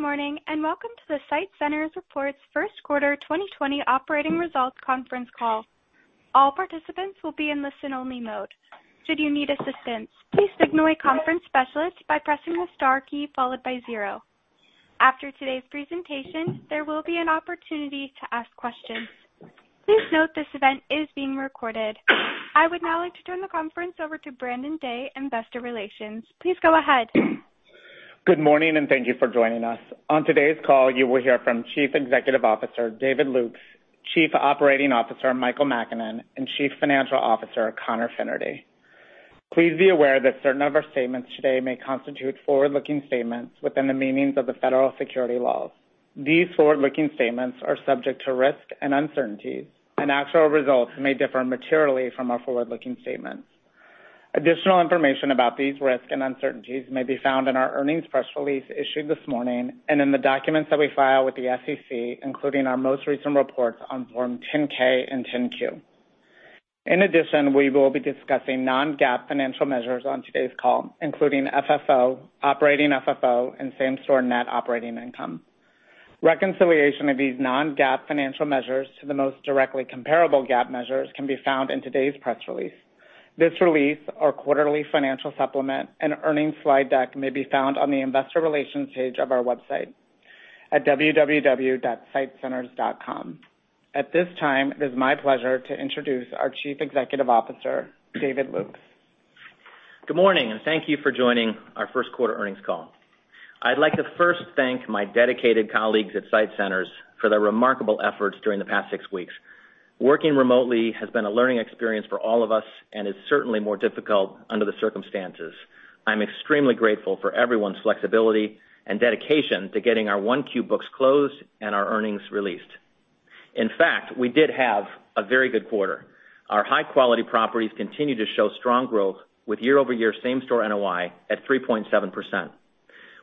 Good morning, welcome to the SITE Centers Reports First Quarter 2020 Operating Results Conference Call. All participants will be in listen only mode. Should you need assistance, please signal a conference specialist by pressing the star key followed by zero. After today's presentation, there will be an opportunity to ask questions. Please note this event is being recorded. I would now like to turn the conference over to Brandon Day, investor relations. Please go ahead. Good morning, and thank you for joining us. On today's call, you will hear from Chief Executive Officer, David Lukes, Chief Operating Officer, Michael Makinen, and Chief Financial Officer, Conor Fennerty. Please be aware that certain of our statements today may constitute forward-looking statements within the meanings of the federal security laws. These forward-looking statements are subject to risks and uncertainties, and actual results may differ materially from our forward-looking statements. Additional information about these risks and uncertainties may be found in our earnings press release issued this morning, and in the documents that we file with the SEC, including our most recent reports on Form 10-K and 10-Q. In addition, we will be discussing non-GAAP financial measures on today's call, including FFO, Operating FFO and same-store net operating income. Reconciliation of these non-GAAP financial measures to the most directly comparable GAAP measures can be found in today's press release. This release, our quarterly financial supplement and earnings slide deck may be found on the investor relations page of our website at www.sitecenters.com. At this time, it is my pleasure to introduce our Chief Executive Officer, David Lukes. Good morning, thank you for joining our first quarter earnings call. I'd like to first thank my dedicated colleagues at SITE Centers for their remarkable efforts during the past six weeks. Working remotely has been a learning experience for all of us, and is certainly more difficult under the circumstances. I'm extremely grateful for everyone's flexibility and dedication to getting our 1Q books closed and our earnings released. In fact, we did have a very good quarter. Our high-quality properties continue to show strong growth with year-over-year same-store NOI at 3.7%.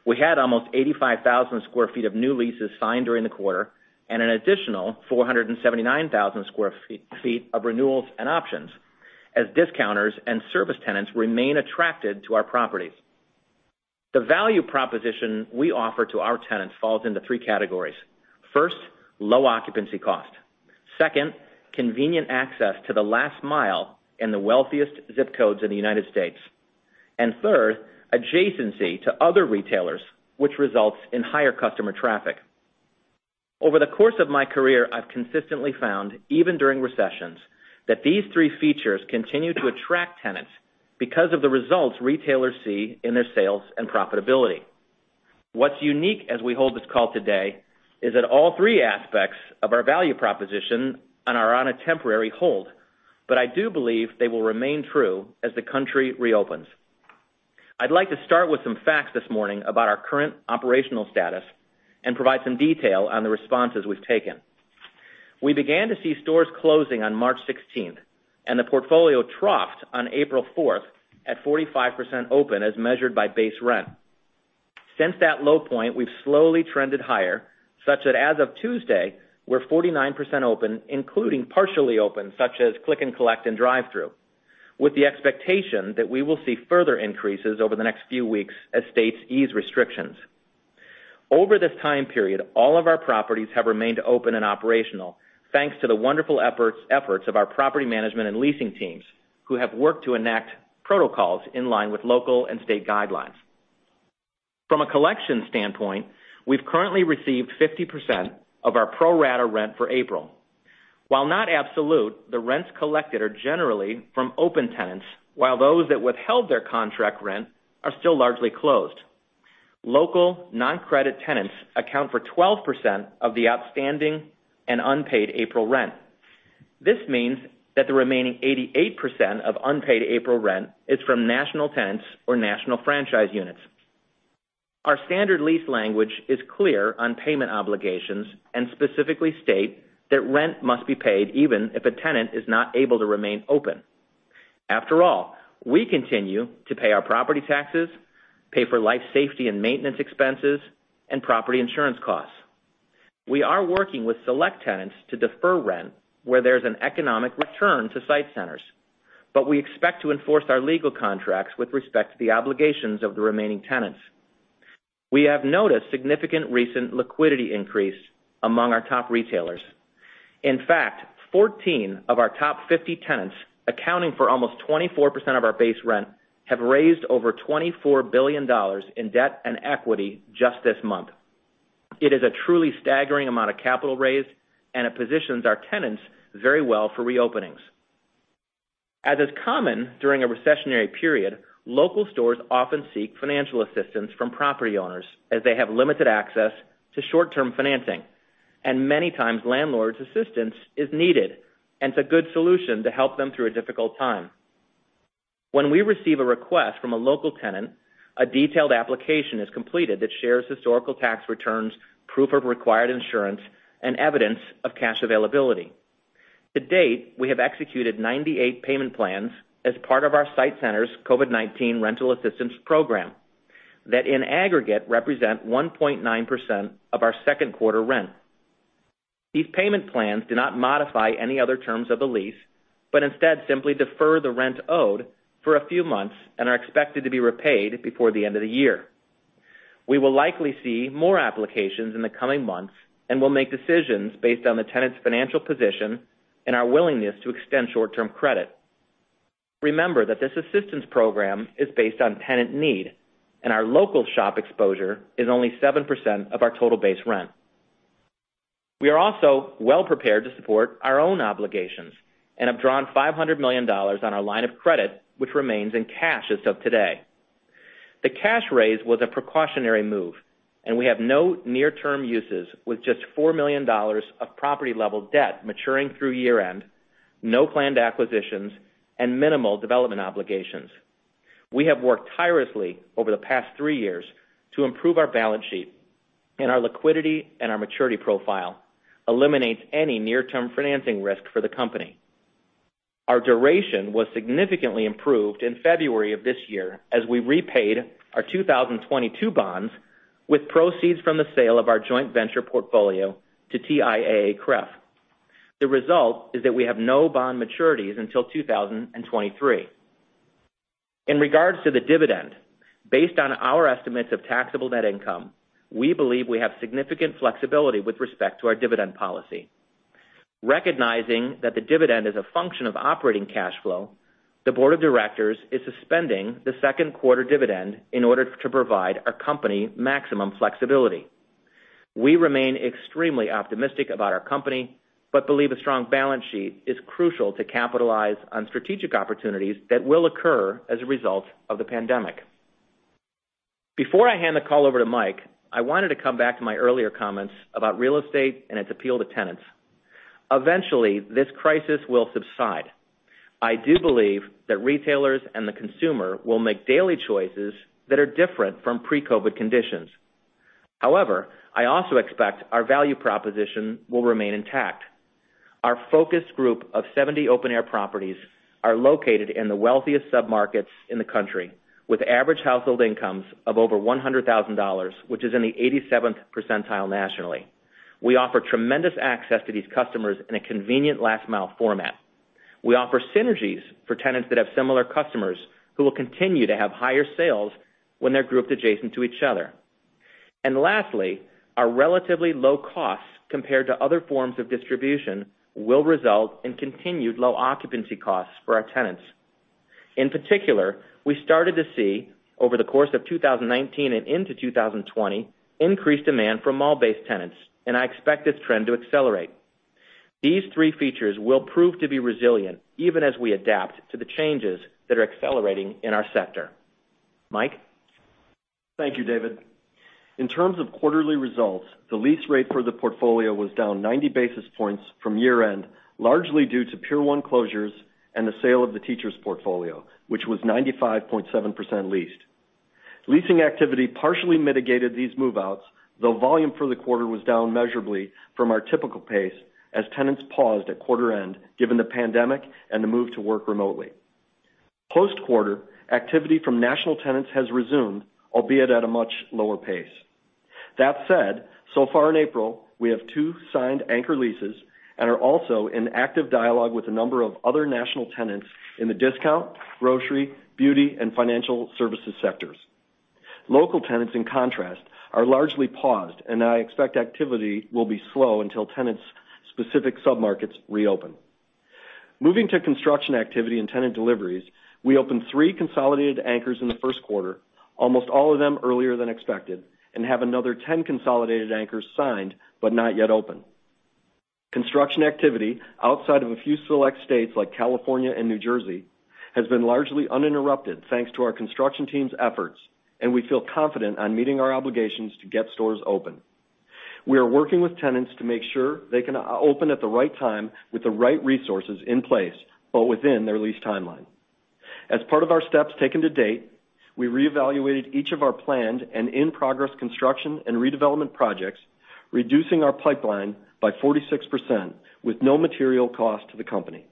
We had almost 85,000 sq ft of new leases signed during the quarter, and an additional 479,000 sq ft of renewals and options as discounters and service tenants remain attracted to our properties. The value proposition we offer to our tenants falls into three categories. First, low occupancy cost. Second, convenient access to the last mile in the wealthiest zip codes in the United States. Third, adjacency to other retailers, which results in higher customer traffic. Over the course of my career, I've consistently found, even during recessions, that these three features continue to attract tenants because of the results retailers see in their sales and profitability. What's unique as we hold this call today is that all three aspects of our value proposition are on a temporary hold, but I do believe they will remain true as the country reopens. I'd like to start with some facts this morning about our current operational status and provide some detail on the responses we've taken. We began to see stores closing on March 16th, and the portfolio troughed on April 4th at 45% open as measured by base rent. Since that low point, we've slowly trended higher, such that as of Tuesday, we're 49% open, including partially open, such as click and collect and drive-through, with the expectation that we will see further increases over the next few weeks as states ease restrictions. Over this time period, all of our properties have remained open and operational, thanks to the wonderful efforts of our property management and leasing teams who have worked to enact protocols in line with local and state guidelines. From a collection standpoint, we've currently received 50% of our pro-rata rent for April. While not absolute, the rents collected are generally from open tenants, while those that withheld their contract rent are still largely closed. Local non-credit tenants account for 12% of the outstanding and unpaid April rent. This means that the remaining 88% of unpaid April rent is from national tenants or national franchise units. Our standard lease language is clear on payment obligations and specifically state that rent must be paid even if a tenant is not able to remain open. After all, we continue to pay our property taxes, pay for life safety and maintenance expenses, and property insurance costs. We are working with select tenants to defer rent where there's an economic return to SITE Centers. We expect to enforce our legal contracts with respect to the obligations of the remaining tenants. We have noticed significant recent liquidity increase among our top retailers. In fact, 14 of our top 50 tenants, accounting for almost 24% of our base rent, have raised over $24 billion in debt and equity just this month. It is a truly staggering amount of capital raised, and it positions our tenants very well for reopenings. As is common during a recessionary period, local stores often seek financial assistance from property owners as they have limited access to short-term financing, and many times landlord's assistance is needed and it's a good solution to help them through a difficult time. When we receive a request from a local tenant, a detailed application is completed that shares historical tax returns, proof of required insurance, and evidence of cash availability. To date, we have executed 98 payment plans as part of our SITE Centers COVID-19 Rental Assistance Program that in aggregate represent 1.9% of our second quarter rent. These payment plans do not modify any other terms of the lease, but instead simply defer the rent owed for a few months and are expected to be repaid before the end of the year. We will likely see more applications in the coming months, and we'll make decisions based on the tenant's financial position and our willingness to extend short-term credit. Remember that this assistance program is based on tenant need, and our local shop exposure is only 7% of our total base rent. We are also well-prepared to support our own obligations and have drawn $500 million on our line of credit, which remains in cash as of today. The cash raise was a precautionary move, and we have no near-term uses with just $4 million of property-level debt maturing through year-end, no planned acquisitions, and minimal development obligations. We have worked tirelessly over the past three years to improve our balance sheet, and our liquidity and our maturity profile eliminates any near-term financing risk for the company. Our duration was significantly improved in February of this year as we repaid our 2022 bonds with proceeds from the sale of our joint venture portfolio to TIAA. The result is that we have no bond maturities until 2023. In regards to the dividend, based on our estimates of taxable net income, we believe we have significant flexibility with respect to our dividend policy. Recognizing that the dividend is a function of operating cash flow, the board of directors is suspending the second quarter dividend in order to provide our company maximum flexibility. We remain extremely optimistic about our company, believe a strong balance sheet is crucial to capitalize on strategic opportunities that will occur as a result of the pandemic. Before I hand the call over to Mike, I wanted to come back to my earlier comments about real estate and its appeal to tenants. Eventually, this crisis will subside. I do believe that retailers and the consumer will make daily choices that are different from pre-COVID conditions. However, I also expect our value proposition will remain intact. Our focus group of 70 open-air properties are located in the wealthiest submarkets in the country, with average household incomes of over $100,000, which is in the 87th percentile nationally. We offer tremendous access to these customers in a convenient last-mile format. We offer synergies for tenants that have similar customers who will continue to have higher sales when they're grouped adjacent to each other. Lastly, our relatively low cost compared to other forms of distribution will result in continued low occupancy costs for our tenants. In particular, we started to see, over the course of 2019 and into 2020, increased demand for mall-based tenants, and I expect this trend to accelerate. These three features will prove to be resilient even as we adapt to the changes that are accelerating in our sector. Mike? Thank you, David. In terms of quarterly results, the lease rate for the portfolio was down 90 basis points from year-end, largely due to Pier 1 closures and the sale of the Teachers portfolio, which was 95.7% leased. Leasing activity partially mitigated these move-outs, though volume for the quarter was down measurably from our typical pace as tenants paused at quarter end, given the pandemic and the move to work remotely. Post-quarter, activity from national tenants has resumed, albeit at a much lower pace. That said, so far in April, we have two signed anchor leases and are also in active dialogue with a number of other national tenants in the discount, grocery, beauty, and financial services sectors. Local tenants, in contrast, are largely paused, and I expect activity will be slow until tenants' specific submarkets reopen. Moving to construction activity and tenant deliveries, we opened three consolidated anchors in the first quarter, almost all of them earlier than expected, and have another 10 consolidated anchors signed but not yet open. Construction activity, outside of a few select states like California and New Jersey, has been largely uninterrupted thanks to our construction team's efforts, and we feel confident on meeting our obligations to get stores open. We are working with tenants to make sure they can open at the right time with the right resources in place, but within their lease timeline. As part of our steps taken to date, we reevaluated each of our planned and in-progress construction and redevelopment projects, reducing our pipeline by 46% with no material cost to the company.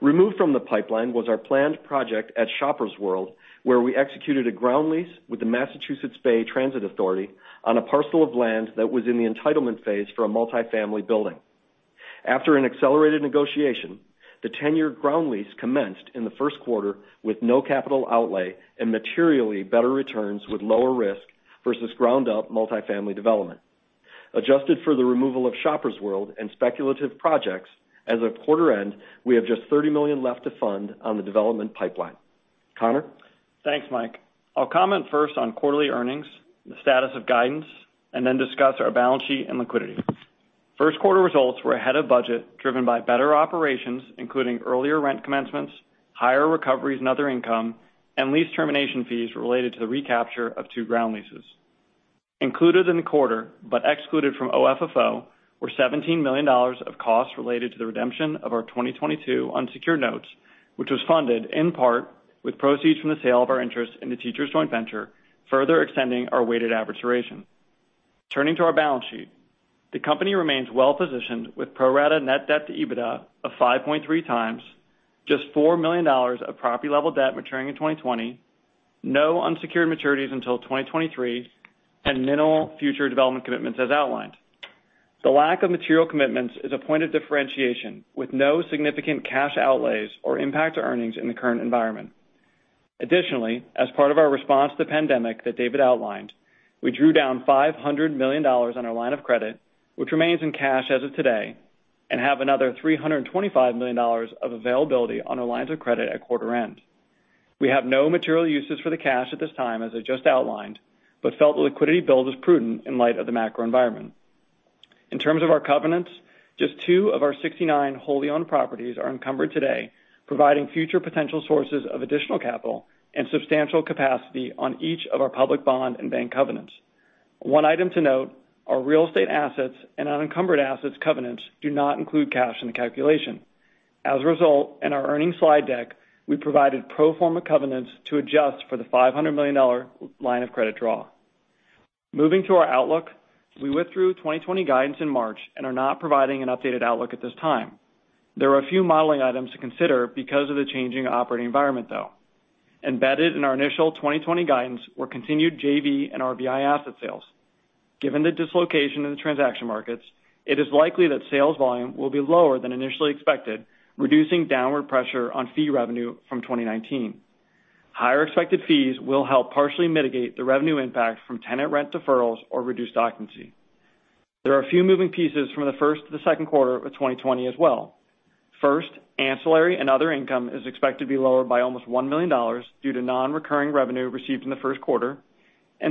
Removed from the pipeline was our planned project at Shoppers World, where we executed a ground lease with the Massachusetts Bay Transportation Authority on a parcel of land that was in the entitlement phase for a multi-family building. After an accelerated negotiation, the 10-year ground lease commenced in the first quarter with no capital outlay and materially better returns with lower risk versus ground-up multi-family development. Adjusted for the removal of Shoppers World and speculative projects, as of quarter end, we have just $30 million left to fund on the development pipeline. Conor? Thanks, Mike. I'll comment first on quarterly earnings, the status of guidance, and then discuss our balance sheet and liquidity. First quarter results were ahead of budget, driven by better operations, including earlier rent commencements, higher recoveries and other income, and lease termination fees related to the recapture of two ground leases. Included in the quarter, but excluded from OFFO, were $17 million of costs related to the redemption of our 2022 unsecured notes, which was funded in part with proceeds from the sale of our interest in the Teachers joint venture, further extending our weighted average duration. Turning to our balance sheet, the company remains well-positioned with pro forma net debt to EBITDA of 5.3x, just $4 million of property-level debt maturing in 2020. Unsecured maturities until 2023 and minimal future development commitments as outlined. The lack of material commitments is a point of differentiation, with no significant cash outlays or impact to earnings in the current environment. As part of our response to the pandemic that David outlined, we drew down $500 million on our line of credit, which remains in cash as of today, and have another $325 million of availability on our lines of credit at quarter end. We have no material uses for the cash at this time, as I just outlined, felt the liquidity build was prudent in light of the macro environment. In terms of our covenants, just two of our 69 wholly owned properties are encumbered today, providing future potential sources of additional capital and substantial capacity on each of our public bond and bank covenants. One item to note, our real estate assets and unencumbered assets covenants do not include cash in the calculation. As a result, in our earnings slide deck, we provided pro forma covenants to adjust for the $500 million line of credit draw. Moving to our outlook, we went through 2020 guidance in March and are not providing an updated outlook at this time. There are a few modeling items to consider because of the changing operating environment, though. Embedded in our initial 2020 guidance were continued JV and RVI asset sales. Given the dislocation in the transaction markets, it is likely that sales volume will be lower than initially expected, reducing downward pressure on fee revenue from 2019. Higher expected fees will help partially mitigate the revenue impact from tenant rent deferrals or reduced occupancy. There are a few moving pieces from the first to the second quarter of 2020 as well. First, ancillary and other income is expected to be lower by almost $1 million due to non-recurring revenue received in the first quarter.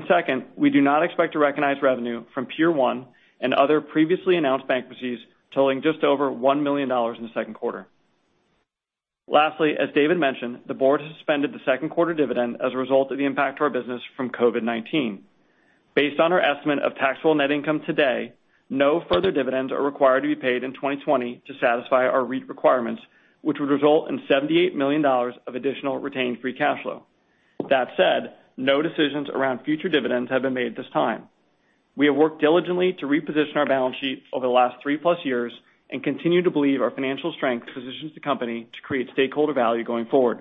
Second, we do not expect to recognize revenue from Pier 1 and other previously announced bankruptcies totaling just over $1 million in the second quarter. Lastly, as David mentioned, the board has suspended the second quarter dividend as a result of the impact to our business from COVID-19. Based on our estimate of taxable net income today, no further dividends are required to be paid in 2020 to satisfy our REIT requirements, which would result in $78 million of additional retained free cash flow. That said, no decisions around future dividends have been made at this time. We have worked diligently to reposition our balance sheet over the last three plus years and continue to believe our financial strength positions the company to create stakeholder value going forward.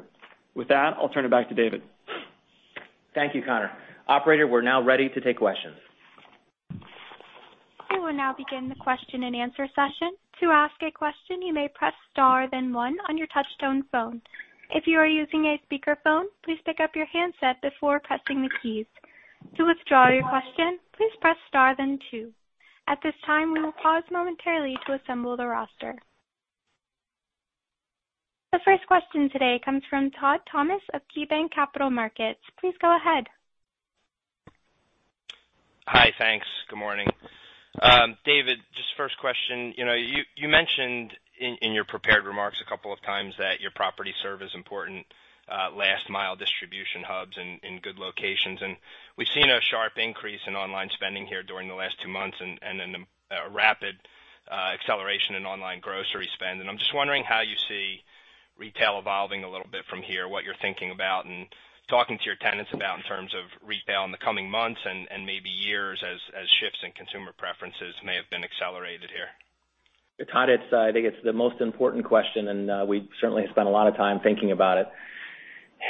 With that, I'll turn it back to David. Thank you, Conor. Operator, we're now ready to take questions. We will now begin the question and answer session. To ask a question, you may press star then one on your touchtone phone. If you are using a speakerphone, please pick up your handset before pressing the keys. To withdraw your question, please press star then two. At this time, we will pause momentarily to assemble the roster. The first question today comes from Todd Thomas of KeyBanc Capital Markets. Please go ahead. Hi. Thanks. Good morning. David, just first question. You mentioned in your prepared remarks a couple of times that your properties serve as important last-mile distribution hubs in good locations. We've seen a sharp increase in online spending here during the last two months a rapid acceleration in online grocery spend. I'm just wondering how you see retail evolving a little bit from here, what you're thinking about and talking to your tenants about in terms of retail in the coming months and maybe years as shifts in consumer preferences may have been accelerated here. Todd, I think it's the most important question, and we certainly have spent a lot of time thinking about it.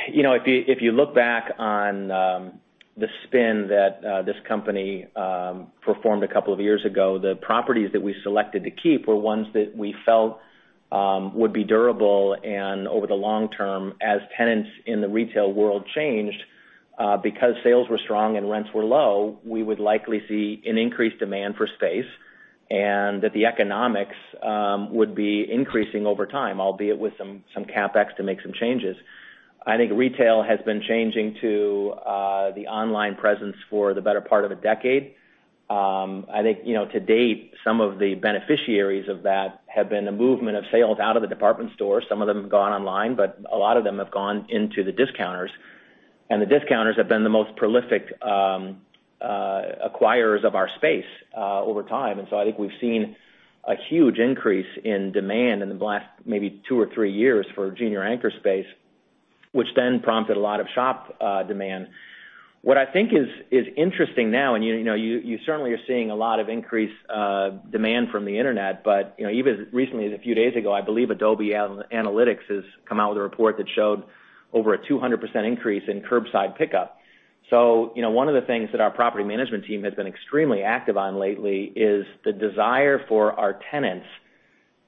If you look back on the spin that this company performed a couple of years ago, the properties that we selected to keep were ones that we felt would be durable and over the long term, as tenants in the retail world changed, because sales were strong and rents were low, we would likely see an increased demand for space, and that the economics would be increasing over time, albeit with some CapEx to make some changes. I think retail has been changing to the online presence for the better part of a decade. I think to date, some of the beneficiaries of that have been the movement of sales out of the department store. Some of them have gone online, but a lot of them have gone into the discounters. The discounters have been the most prolific acquirers of our space over time. I think we've seen a huge increase in demand in the last maybe two or three years for junior anchor space, which then prompted a lot of shop demand. What I think is interesting now, and you certainly are seeing a lot of increased demand from the internet, but even as recently as a few days ago, I believe Adobe Analytics has come out with a report that showed over a 200% increase in curbside pickup. One of the things that our property management team has been extremely active on lately is the desire for our tenants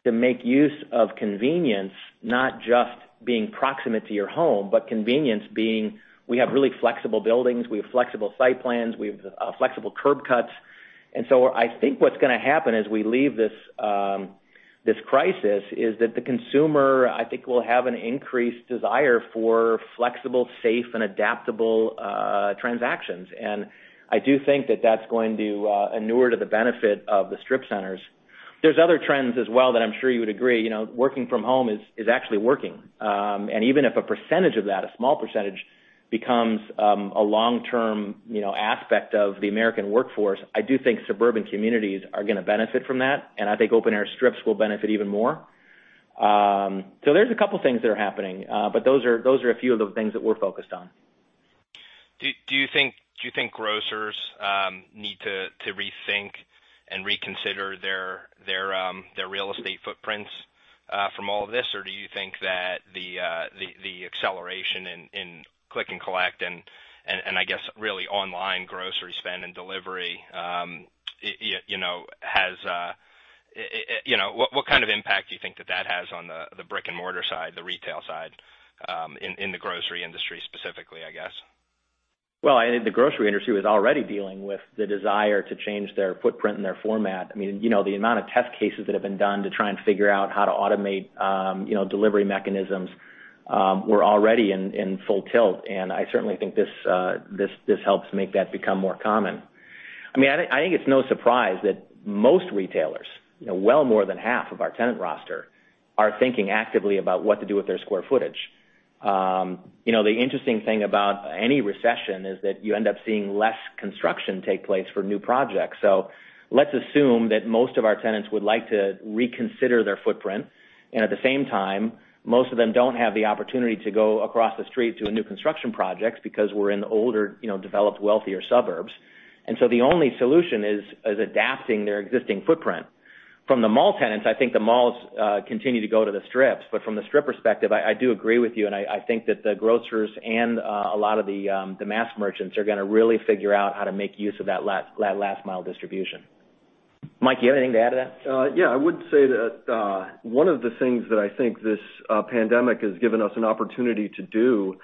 to make use of convenience, not just being proximate to your home, but convenience being, we have really flexible buildings, we have flexible site plans, we have flexible curb cuts. I think what's going to happen as we leave this crisis is that the consumer, I think, will have an increased desire for flexible, safe, and adaptable transactions. I do think that that's going to inure to the benefit of the strip centers. There's other trends as well that I'm sure you would agree. Working from home is actually working. Even if a percentage of that, a small percentage, becomes a long-term aspect of the American workforce, I do think suburban communities are going to benefit from that, and I think open-air strips will benefit even more. There's a couple things that are happening, but those are a few of the things that we're focused on. Do you think grocers need to rethink and reconsider their real estate footprints from all of this? Do you think that the acceleration in click and collect and, I guess, really online grocery spend and delivery, what kind of impact do you think that that has on the brick-and-mortar side, the retail side, in the grocery industry specifically, I guess? Well, I think the grocery industry was already dealing with the desire to change their footprint and their format. The amount of test cases that have been done to try and figure out how to automate delivery mechanisms were already in full tilt. I certainly think this helps make that become more common. I think it's no surprise that most retailers, well more than half of our tenant roster, are thinking actively about what to do with their square footage. The interesting thing about any recession is that you end up seeing less construction take place for new projects. Let's assume that most of our tenants would like to reconsider their footprint, and at the same time, most of them don't have the opportunity to go across the street to a new construction project because we're in older, developed, wealthier suburbs. The only solution is adapting their existing footprint. From the mall tenants, I think the malls continue to go to the strips. From the strip perspective, I do agree with you, and I think that the grocers and a lot of the mass merchants are going to really figure out how to make use of that last mile distribution. Mike, you have anything to add to that? Yeah, I would say that one of the things that I think this pandemic has given us an opportunity to do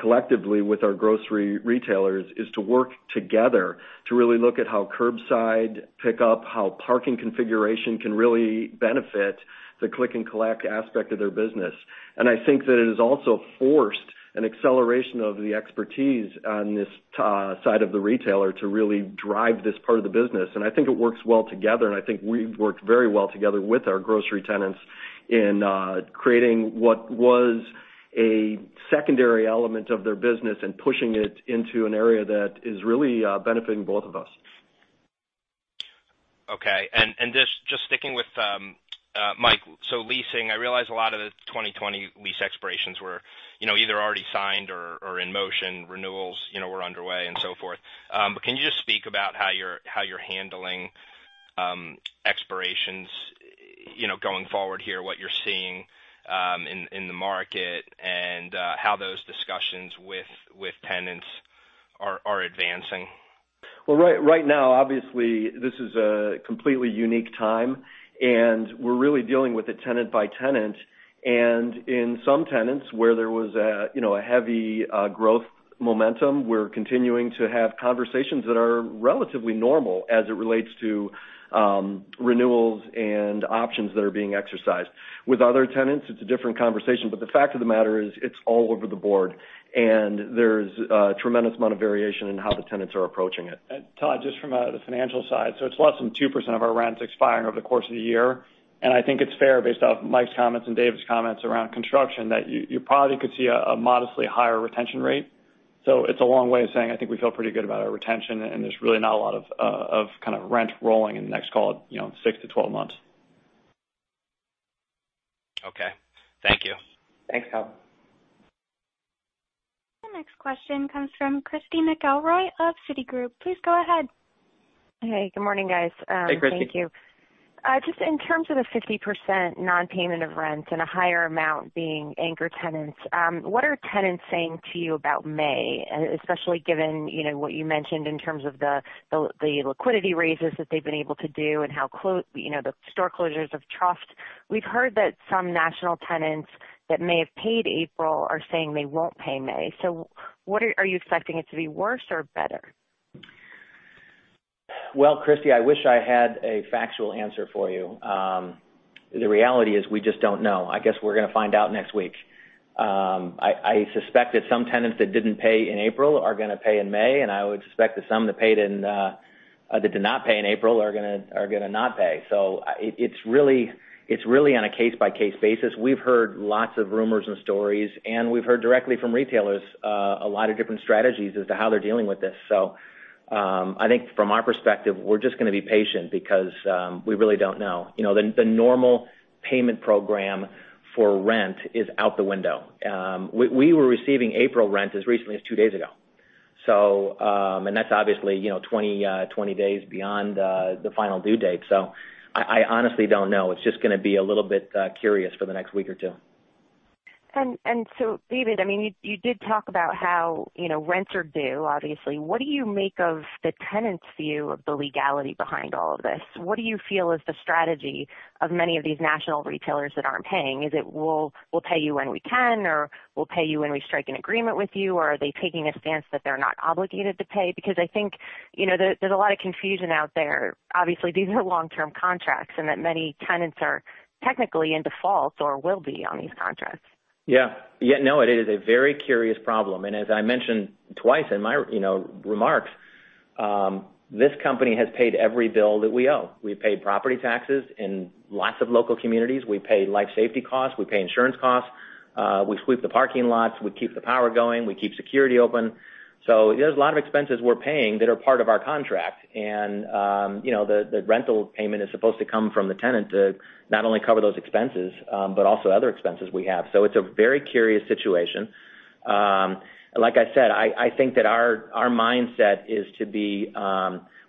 collectively with our grocery retailers is to work together to really look at how curbside pickup, how parking configuration can really benefit the click and collect aspect of their business. I think that it has also forced an acceleration of the expertise on this side of the retailer to really drive this part of the business. I think it works well together, and I think we've worked very well together with our grocery tenants in creating what was a secondary element of their business and pushing it into an area that is really benefiting both of us. Just sticking with Mike. Leasing, I realize a lot of the 2020 lease expirations were either already signed or in motion, renewals were underway and so forth. Can you just speak about how you're handling expirations going forward here, what you're seeing in the market, and how those discussions with tenants are advancing? Well, right now, obviously, this is a completely unique time, and we're really dealing with it tenant by tenant. In some tenants where there was a heavy growth momentum, we're continuing to have conversations that are relatively normal as it relates to renewals and options that are being exercised. With other tenants, it's a different conversation. The fact of the matter is it's all over the board, and there's a tremendous amount of variation in how the tenants are approaching it. Todd, just from the financial side. It's less than 2% of our rents expiring over the course of the year. I think it's fair, based off Mike's comments and David's comments around construction, that you probably could see a modestly higher retention rate. It's a long way of saying I think we feel pretty good about our retention, and there's really not a lot of kind of rent rolling in the next, call it, six to 12 months. Okay. Thank you. Thanks, Todd. The next question comes from Christy McElroy of Citigroup. Please go ahead. Hey, good morning, guys. Hey, Christy. Thank you. Just in terms of the 50% non-payment of rent and a higher amount being anchor tenants, what are tenants saying to you about May? Especially given what you mentioned in terms of the liquidity raises that they've been able to do and how the store closures have troughed. We've heard that some national tenants that may have paid April are saying they won't pay May. Are you expecting it to be worse or better? Well, Christy, I wish I had a factual answer for you. The reality is we just don't know. I guess we're going to find out next week. I suspect that some tenants that didn't pay in April are going to pay in May, and I would expect that some that did not pay in April are going to not pay. It's really on a case-by-case basis. We've heard lots of rumors and stories, and we've heard directly from retailers, a lot of different strategies as to how they're dealing with this. I think from our perspective, we're just going to be patient because we really don't know. The normal payment program for rent is out the window. We were receiving April rent as recently as two days ago. That's obviously 20 days beyond the final due date. I honestly don't know. It's just going to be a little bit curious for the next week or two. David, you did talk about how rents are due, obviously. What do you make of the tenant's view of the legality behind all of this? What do you feel is the strategy of many of these national retailers that aren't paying? Is it, we'll pay you when we can, or we'll pay you when we strike an agreement with you? Or are they taking a stance that they're not obligated to pay? Because I think there's a lot of confusion out there. Obviously, these are long-term contracts and that many tenants are technically in default or will be on these contracts. Yeah. No, it is a very curious problem. As I mentioned twice in my remarks, this company has paid every bill that we owe. We've paid property taxes in lots of local communities. We pay life safety costs. We pay insurance costs. We sweep the parking lots. We keep the power going. We keep security open. There's a lot of expenses we're paying that are part of our contract. The rental payment is supposed to come from the tenant to not only cover those expenses, but also other expenses we have. It's a very curious situation. Like I said, I think that our mindset is to be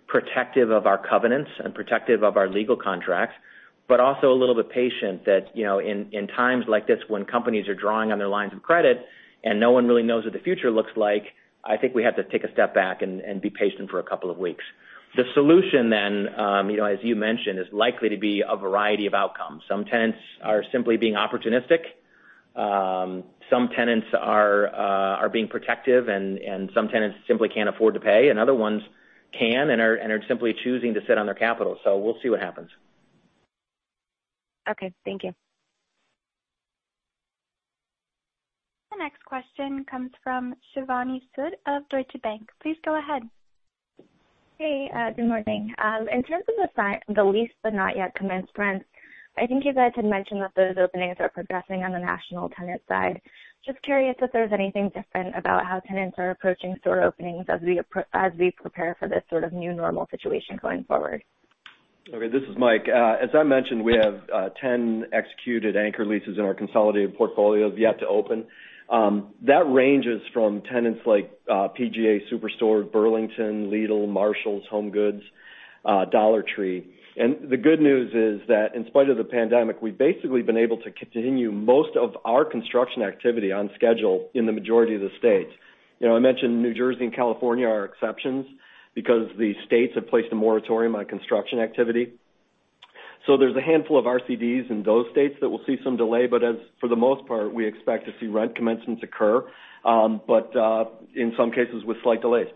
protective of our covenants and protective of our legal contracts, but also a little bit patient that, in times like this when companies are drawing on their lines of credit and no one really knows what the future looks like, I think we have to take a step back and be patient for a couple of weeks. The solution, as you mentioned, is likely to be a variety of outcomes. Some tenants are simply being opportunistic. Some tenants are being protective, and some tenants simply can't afford to pay, and other ones can and are simply choosing to sit on their capital. We'll see what happens. Okay. Thank you. The next question comes from Shivani Sood of Deutsche Bank. Please go ahead. Hey, good morning. In terms of the leased but not yet commenced rents, I think you guys had mentioned that those openings are progressing on the national tenant side. Just curious if there's anything different about how tenants are approaching store openings as we prepare for this sort of new normal situation going forward? Okay, this is Mike. As I mentioned, we have 10 executed anchor leases in our consolidated portfolios yet to open. That ranges from tenants like PGA Superstore, Burlington, Lidl, Marshalls, HomeGoods, Dollar Tree. The good news is that in spite of the pandemic, we've basically been able to continue most of our construction activity on schedule in the majority of the states. I mentioned New Jersey and California are exceptions because the states have placed a moratorium on construction activity. There's a handful of RCDs in those states that will see some delay, but as for the most part, we expect to see rent commencements occur, but in some cases with slight delays.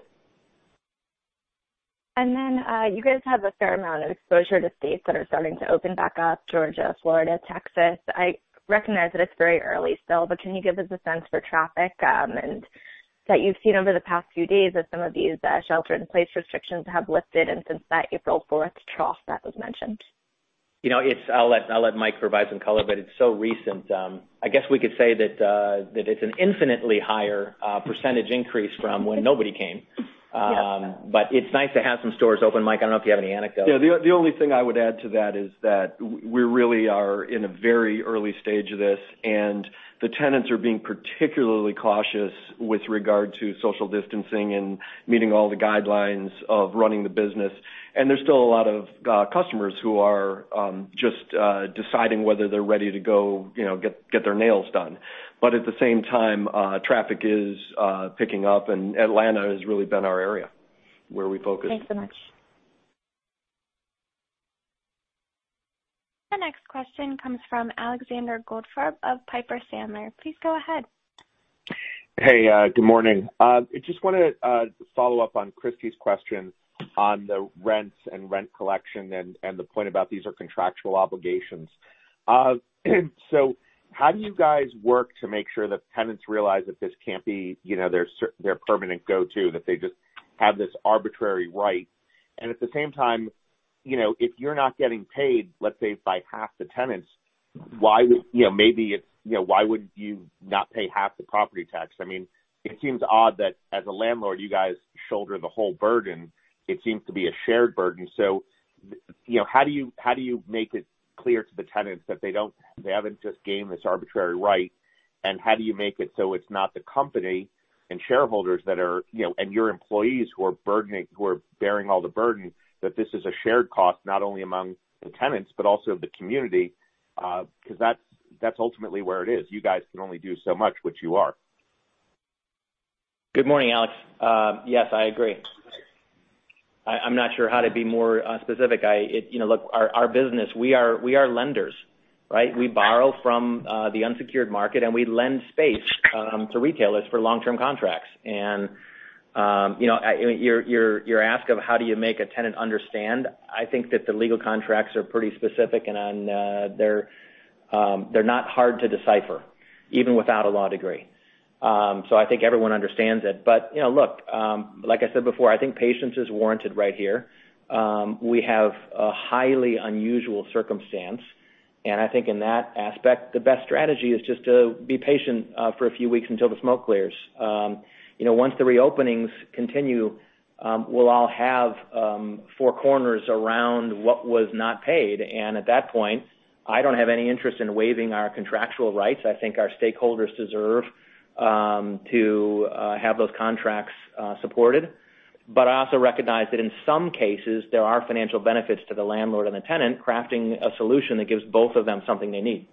You guys have a fair amount of exposure to states that are starting to open back up, Georgia, Florida, Texas. I recognize that it's very early still, but can you give us a sense for traffic that you've seen over the past few days as some of these shelter in place restrictions have lifted, and since that April 4th trough that was mentioned? I'll let Mike provide some color. It's so recent. I guess we could say that it's an infinitely higher percentage increase from when nobody came. Yes. It's nice to have some stores open. Mike, I don't know if you have any anecdotes. Yeah, the only thing I would add to that is that we really are in a very early stage of this. The tenants are being particularly cautious with regard to social distancing and meeting all the guidelines of running the business. There's still a lot of customers who are just deciding whether they're ready to go get their nails done. At the same time, traffic is picking up, and Atlanta has really been our area where we focus. Thanks so much. The next question comes from Alexander Goldfarb of Piper Sandler. Please go ahead. Hey, good morning. I just want to follow up on Christy's question on the rents and rent collection and the point about these are contractual obligations. How do you guys work to make sure that tenants realize that this can't be their permanent go-to, that they just have this arbitrary right? At the same time, if you're not getting paid, let's say by half the tenants, why would you not pay half the property tax? It seems odd that as a landlord, you guys shoulder the whole burden. It seems to be a shared burden. How do you make it clear to the tenants that they haven't just gained this arbitrary right, and how do you make it so it's not the company and shareholders, and your employees who are bearing all the burden, that this is a shared cost not only among the tenants but also the community? That's ultimately where it is. You guys can only do so much, which you are. Good morning, Alex. Yes, I agree. I'm not sure how to be more specific. Look, our business, we are lenders, right? We borrow from the unsecured market, and we lend space to retailers for long-term contracts. Your ask of how do you make a tenant understand, I think that the legal contracts are pretty specific, and they're not hard to decipher, even without a law degree. I think everyone understands it. Look, like I said before, I think patience is warranted right here. We have a highly unusual circumstance, and I think in that aspect, the best strategy is just to be patient for a few weeks until the smoke clears. Once the reopenings continue, we'll all have four corners around what was not paid, and at that point, I don't have any interest in waiving our contractual rights. I think our stakeholders deserve to have those contracts supported. I also recognize that in some cases, there are financial benefits to the landlord and the tenant crafting a solution that gives both of them something they need.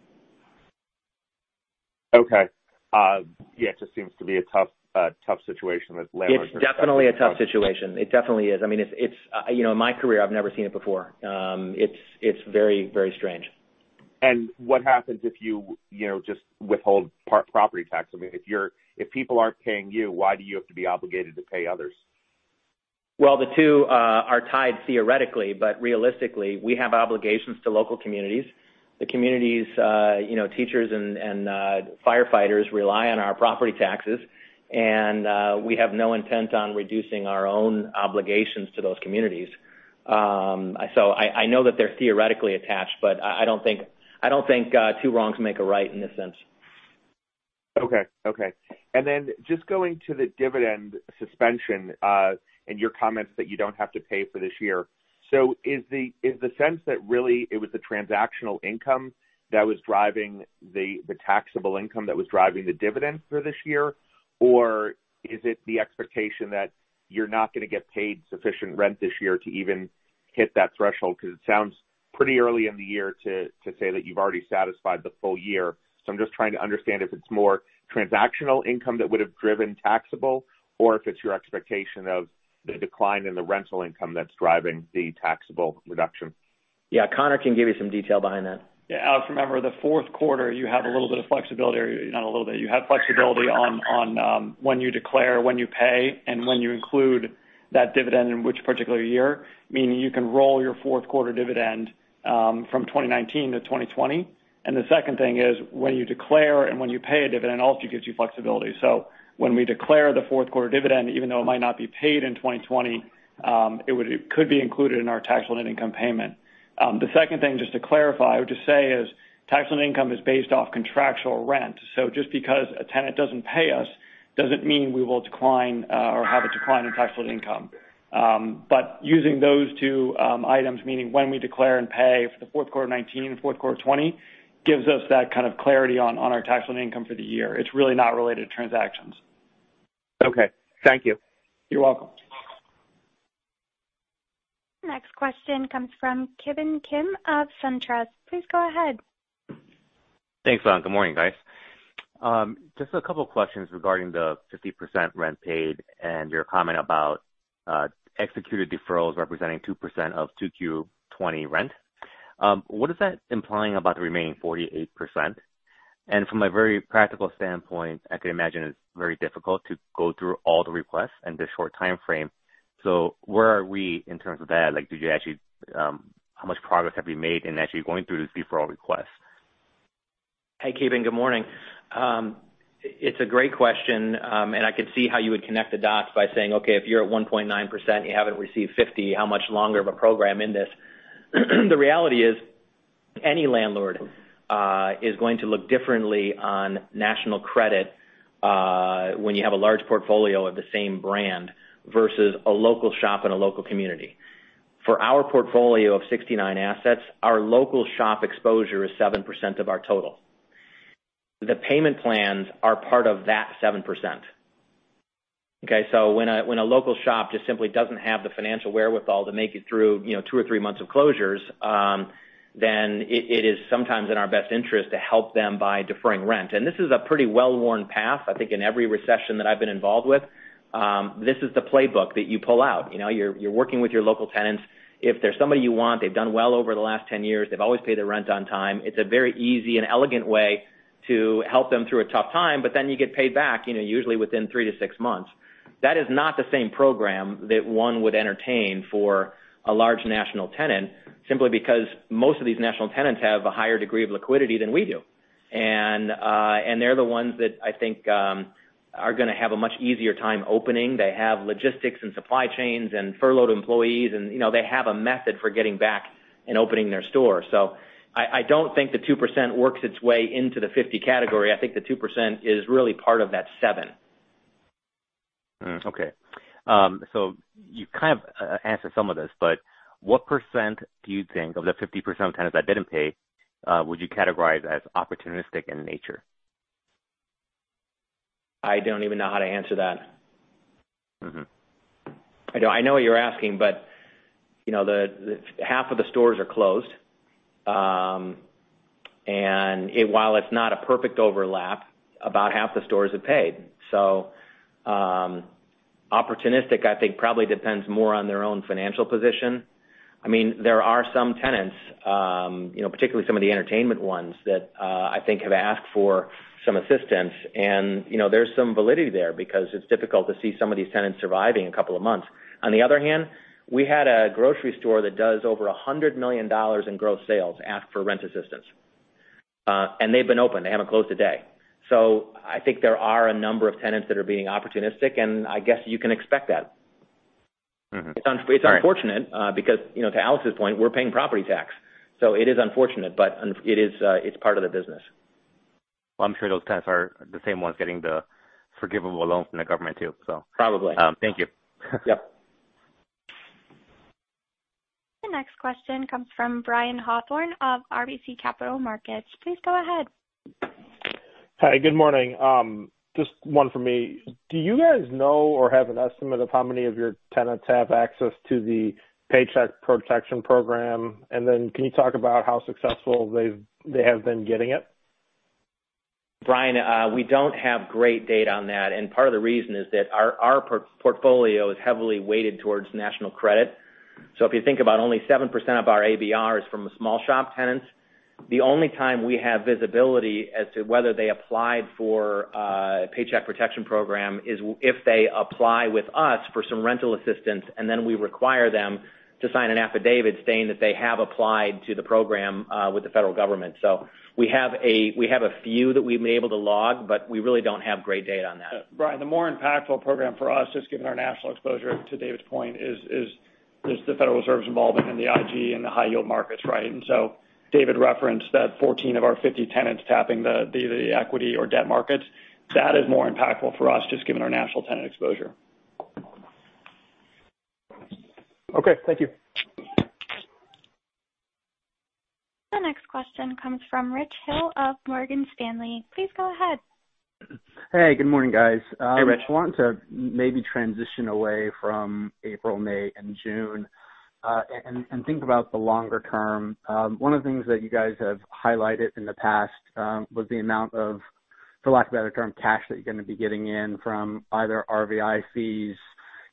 Okay. Yeah, it just seems to be a tough situation as landlords. It's definitely a tough situation. It definitely is. In my career, I've never seen it before. It's very strange. What happens if you just withhold part property tax? If people aren't paying you, why do you have to be obligated to pay others? The two are tied theoretically, but realistically, we have obligations to local communities. The communities, teachers, and firefighters rely on our property taxes, and we have no intent on reducing our own obligations to those communities. I know that they're theoretically attached, but I don't think two wrongs make a right in a sense. Okay. Just going to the dividend suspension, and your comments that you don't have to pay for this year. Is the sense that really it was the transactional income that was driving the taxable income that was driving the dividend for this year, or is it the expectation that you're not going to get paid sufficient rent this year to even hit that threshold? Because it sounds pretty early in the year to say that you've already satisfied the full year. I'm just trying to understand if it's more transactional income that would've driven taxable, or if it's your expectation of the decline in the rental income that's driving the taxable reduction. Yeah. Conor can give you some detail behind that. Yeah. Alex, remember the fourth quarter, you have a little bit of flexibility, not a little bit. You have flexibility on when you declare, when you pay, and when you include that dividend in which particular year, meaning you can roll your fourth quarter dividend from 2019 to 2020. The second thing is, when you declare and when you pay a dividend, it also gives you flexibility. When we declare the fourth quarter dividend, even though it might not be paid in 2020, it could be included in our taxable income payment. The second thing, just to clarify, I would just say is taxable income is based off contractual rent. Just because a tenant doesn't pay us doesn't mean we will decline or have a decline in taxable income. Using those two items, meaning when we declare and pay for the fourth quarter 2019 and fourth quarter 2020, gives us that kind of clarity on our taxable income for the year. It's really not related to transactions. Okay. Thank you. You're welcome. Next question comes from Ki Bin Kim of SunTrust. Please go ahead. Thanks. Good morning, guys. Just a couple of questions regarding the 50% rent paid and your comment about executed deferrals representing 2% of 2Q 2020 rent. What is that implying about the remaining 48%? From a very practical standpoint, I could imagine it's very difficult to go through all the requests in this short timeframe. Where are we in terms of that? How much progress have we made in actually going through these deferral requests? Hey, Ki Bin. Good morning. It's a great question. I could see how you would connect the dots by saying, okay, if you're at 1.9%, you haven't received 50, how much longer of a program in this? The reality is, any landlord is going to look differently on national credit, when you have a large portfolio of the same brand versus a local shop in a local community. For our portfolio of 69 assets, our local shop exposure is 7% of our total. The payment plans are part of that 7%. When a local shop just simply doesn't have the financial wherewithal to make it through two or three months of closures, it is sometimes in our best interest to help them by deferring rent. This is a pretty well-worn path, I think, in every recession that I've been involved with. This is the playbook that you pull out. You're working with your local tenants. If there's somebody you want, they've done well over the last 10 years, they've always paid their rent on time, it's a very easy and elegant way to help them through a tough time, you get paid back usually within three to six months. That is not the same program that one would entertain for a large national tenant, simply because most of these national tenants have a higher degree of liquidity than we do. They're the ones that I think are going to have a much easier time opening. They have logistics and supply chains and furloughed employees, they have a method for getting back and opening their store. I don't think the 2% works its way into the 50 category. I think the 2% is really part of that seven. Okay. You kind of answered some of this, but what percentage do you think of the 50% of tenants that didn't pay would you categorize as opportunistic in nature? I don't even know how to answer that. I know what you're asking, half of the stores are closed. While it's not a perfect overlap, about half the stores have paid. Opportunistic, I think, probably depends more on their own financial position. There are some tenants, particularly some of the entertainment ones that I think have asked for some assistance. There's some validity there because it's difficult to see some of these tenants surviving a couple of months. On the other hand, we had a grocery store that does over $100 million in gross sales ask for rent assistance. They've been open. They haven't closed a day. I think there are a number of tenants that are being opportunistic, and I guess you can expect that. Mm-hmm. All right. It's unfortunate because to Alex's point, we're paying property tax. It is unfortunate, but it's part of the business. Well, I'm sure those tenants are the same ones getting the forgivable loans from the government too. Probably. Thank you. Yep. The next question comes from Brian Hawthorne of RBC Capital Markets. Please go ahead. Hi, good morning. Just one from me. Do you guys know or have an estimate of how many of your tenants have access to the Paycheck Protection Program? Can you talk about how successful they have been getting it? Brian, we don't have great data on that, part of the reason is that our portfolio is heavily weighted towards national credit. If you think about only 7% of our ABR is from the small shop tenants. The only time we have visibility as to whether they applied for Paycheck Protection Program is if they apply with us for some rental assistance, then we require them to sign an affidavit stating that they have applied to the program with the federal government. We have a few that we've been able to log, but we really don't have great data on that. Brian, the more impactful program for us, just given our national exposure to David's point is there's the Federal Reserve's involvement in the IG and the high yield markets, right? David referenced that 14 of our 50 tenants tapping the equity or debt markets. That is more impactful for us, just given our national tenant exposure. Okay. Thank you. The next question comes from Rich Hill of Morgan Stanley. Please go ahead. Hey, good morning, guys. Hey, Rich. I want to maybe transition away from April, May, and June, and think about the longer term. One of the things that you guys have highlighted in the past was the amount of, for lack of a better term, cash that you're going to be getting in from either RVI fees,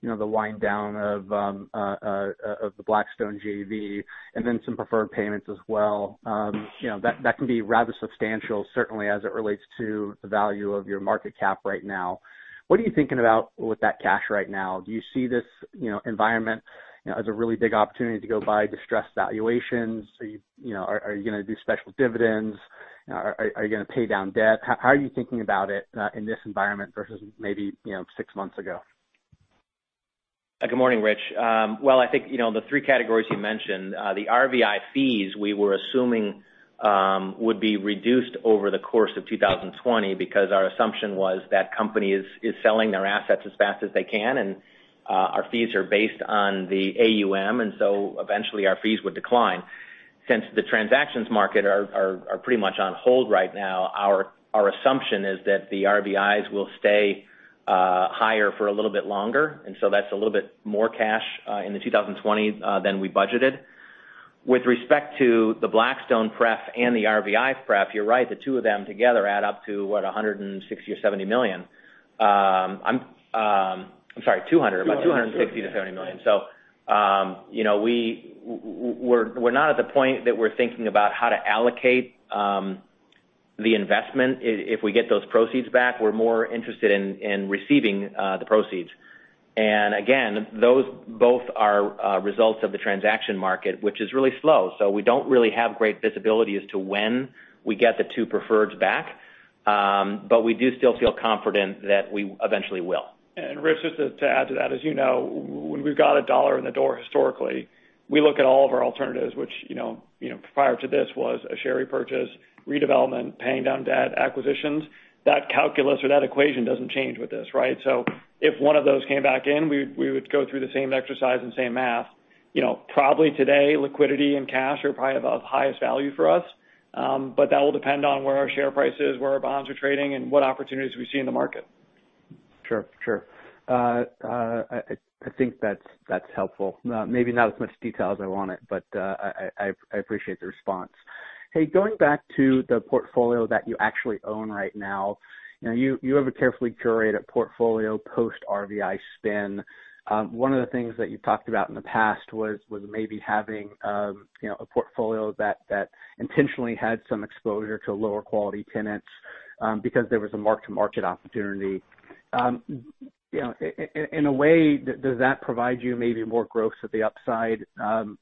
the wind down of the Blackstone JV, and then some preferred payments as well. That can be rather substantial, certainly as it relates to the value of your market cap right now. What are you thinking about with that cash right now? Do you see this environment as a really big opportunity to go buy distressed valuations? Are you going to do special dividends? Are you going to pay down debt? How are you thinking about it in this environment versus maybe six months ago? Good morning, Rich. Well, I think, the three categories you mentioned, the RVI fees, we were assuming would be reduced over the course of 2020 because our assumption was that company is selling their assets as fast as they can, and our fees are based on the AUM, and so eventually our fees would decline. Since the transactions market are pretty much on hold right now, our assumption is that the RVIs will stay higher for a little bit longer, and so that's a little bit more cash in the 2020 than we budgeted. With respect to the Blackstone pref and the RVI pref, you're right, the two of them together add up to what? $160 million or $170 million. I'm sorry, $200 million. 200. About $260 million-$270 million. We're not at the point that we're thinking about how to allocate the investment if we get those proceeds back. We're more interested in receiving the proceeds. Again, those both are results of the transaction market, which is really slow. We don't really have great visibility as to when we get the two preferreds back. We do still feel confident that we eventually will. Rich, just to add to that, as you know, when we've got a dollar in the door historically, we look at all of our alternatives, which, prior to this was a share repurchase, redevelopment, paying down debt, acquisitions. That calculus or that equation doesn't change with this, right? If one of those came back in, we would go through the same exercise and same math. Probably today, liquidity and cash are probably of highest value for us. That will depend on where our share price is, where our bonds are trading, and what opportunities we see in the market. Sure. I think that's helpful. Maybe not as much detail as I wanted, but I appreciate the response. Hey, going back to the portfolio that you actually own right now. You have a carefully curated portfolio post RVI spin. One of the things that you've talked about in the past was maybe having a portfolio that intentionally had some exposure to lower quality tenants, because there was a mark-to-market opportunity. In a way, does that provide you maybe more growth at the upside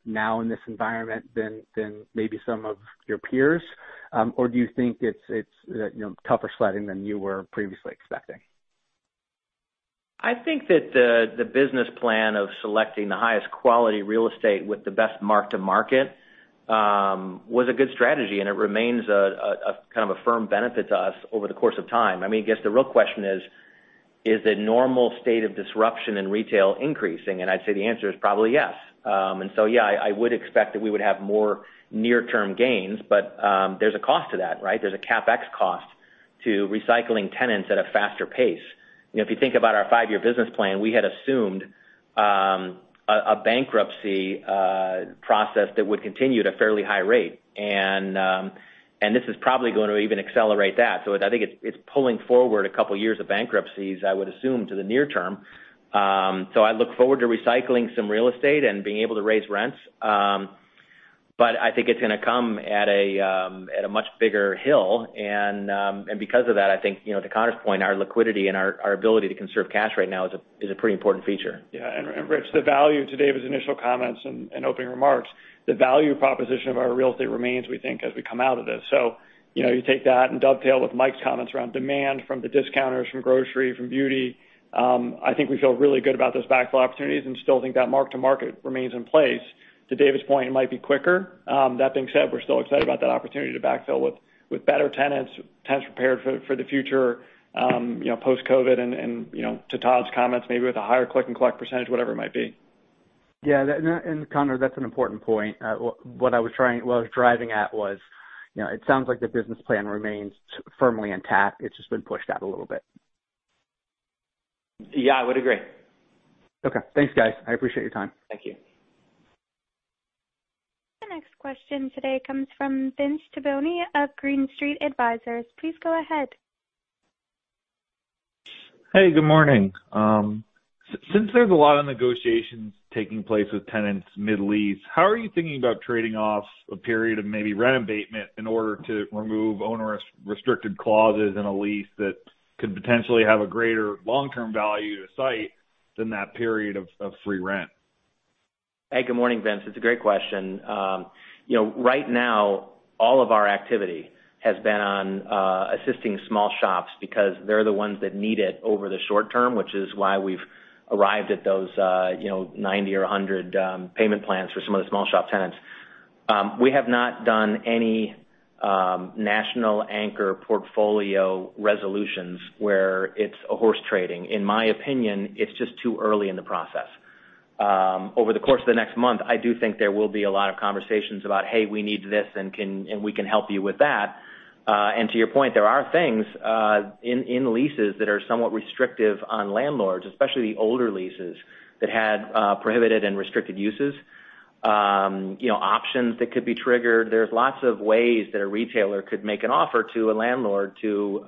now in this environment than maybe some of your peers? Or do you think it's tougher sledding than you were previously expecting? I think that the business plan of selecting the highest quality real estate with the best mark to market, was a good strategy, and it remains a kind of a firm benefit to us over the course of time. I guess the real question is the normal state of disruption in retail increasing? I'd say the answer is probably yes. Yeah, I would expect that we would have more near-term gains, but there's a cost to that, right? There's a CapEx cost to recycling tenants at a faster pace. If you think about our five-year business plan, we had assumed a bankruptcy process that would continue at a fairly high rate. This is probably going to even accelerate that. I think it's pulling forward a couple of years of bankruptcies, I would assume, to the near term. I look forward to recycling some real estate and being able to raise rents. I think it's going to come at a much bigger hill. Because of that, I think, to Conor's point, our liquidity and our ability to conserve cash right now is a pretty important feature. Yeah. Rich, the value to David’s initial comments and opening remarks, the value proposition of our real estate remains, we think, as we come out of this. You take that and dovetail with Mike’s comments around demand from the discounters, from grocery, from beauty. I think we feel really good about those backfill opportunities and still think that mark-to-market remains in place. To David’s point, it might be quicker. That being said, we’re still excited about that opportunity to backfill with better tenants prepared for the future, post-COVID, and to Todd’s comments, maybe with a higher click-and-collect percentage, whatever it might be. Yeah. Conor, that's an important point. What I was driving at was, it sounds like the business plan remains firmly intact. It's just been pushed out a little bit. Yeah, I would agree. Okay. Thanks, guys. I appreciate your time. Thank you. The next question today comes from Vince Tibone of Green Street Advisors. Please go ahead. Hey, good morning. Since there's a lot of negotiations taking place with tenants mid-lease, how are you thinking about trading off a period of maybe rent abatement in order to remove onerous restricted clauses in a lease that could potentially have a greater long-term value to SITE than that period of free rent? Hey, good morning, Vince. It's a great question. Right now all of our activity has been on assisting small shops because they're the ones that need it over the short term, which is why we've arrived at those 90 or 100 payment plans for some of the small shop tenants. We have not done any national anchor portfolio resolutions where it's a horse trading. In my opinion, it's just too early in the process. Over the course of the next month, I do think there will be a lot of conversations about, "Hey, we need this, and we can help you with that." To your point, there are things in leases that are somewhat restrictive on landlords, especially older leases that had prohibited and restricted uses. Options that could be triggered. There's lots of ways that a retailer could make an offer to a landlord to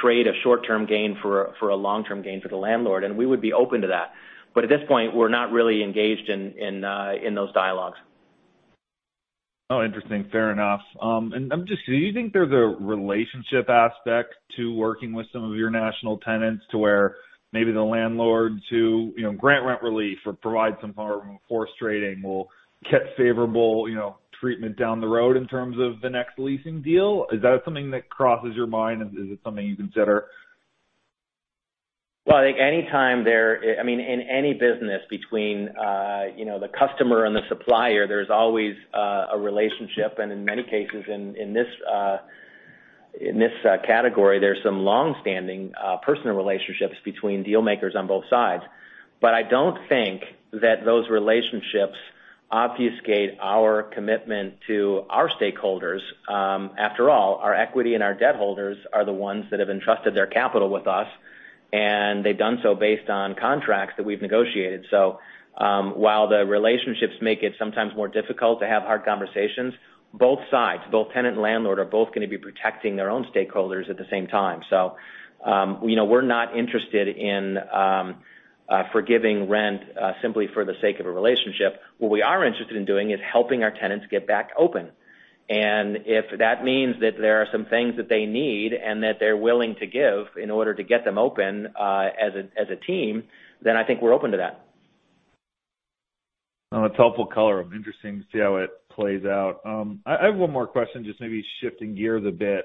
trade a short-term gain for a long-term gain for the landlord. At this point, we're not really engaged in those dialogues. Oh, interesting. Fair enough. Do you think there's a relationship aspect to working with some of your national tenants to where maybe the landlord to grant rent relief or provide some form of horse trading will get favorable treatment down the road in terms of the next leasing deal? Is that something that crosses your mind? Is it something you consider? I think any time in any business between the customer and the supplier, there's always a relationship, and in many cases in this category, there's some longstanding personal relationships between deal makers on both sides. I don't think that those relationships obfuscate our commitment to our stakeholders. After all, our equity and our debt holders are the ones that have entrusted their capital with us, and they've done so based on contracts that we've negotiated. While the relationships make it sometimes more difficult to have hard conversations, both sides, both tenant and landlord, are both going to be protecting their own stakeholders at the same time. We're not interested in forgiving rent simply for the sake of a relationship. What we are interested in doing is helping our tenants get back open. If that means that there are some things that they need and that they're willing to give in order to get them open as a team, then I think we're open to that. It's helpful color. Interesting to see how it plays out. I have one more question, just maybe shifting gears a bit.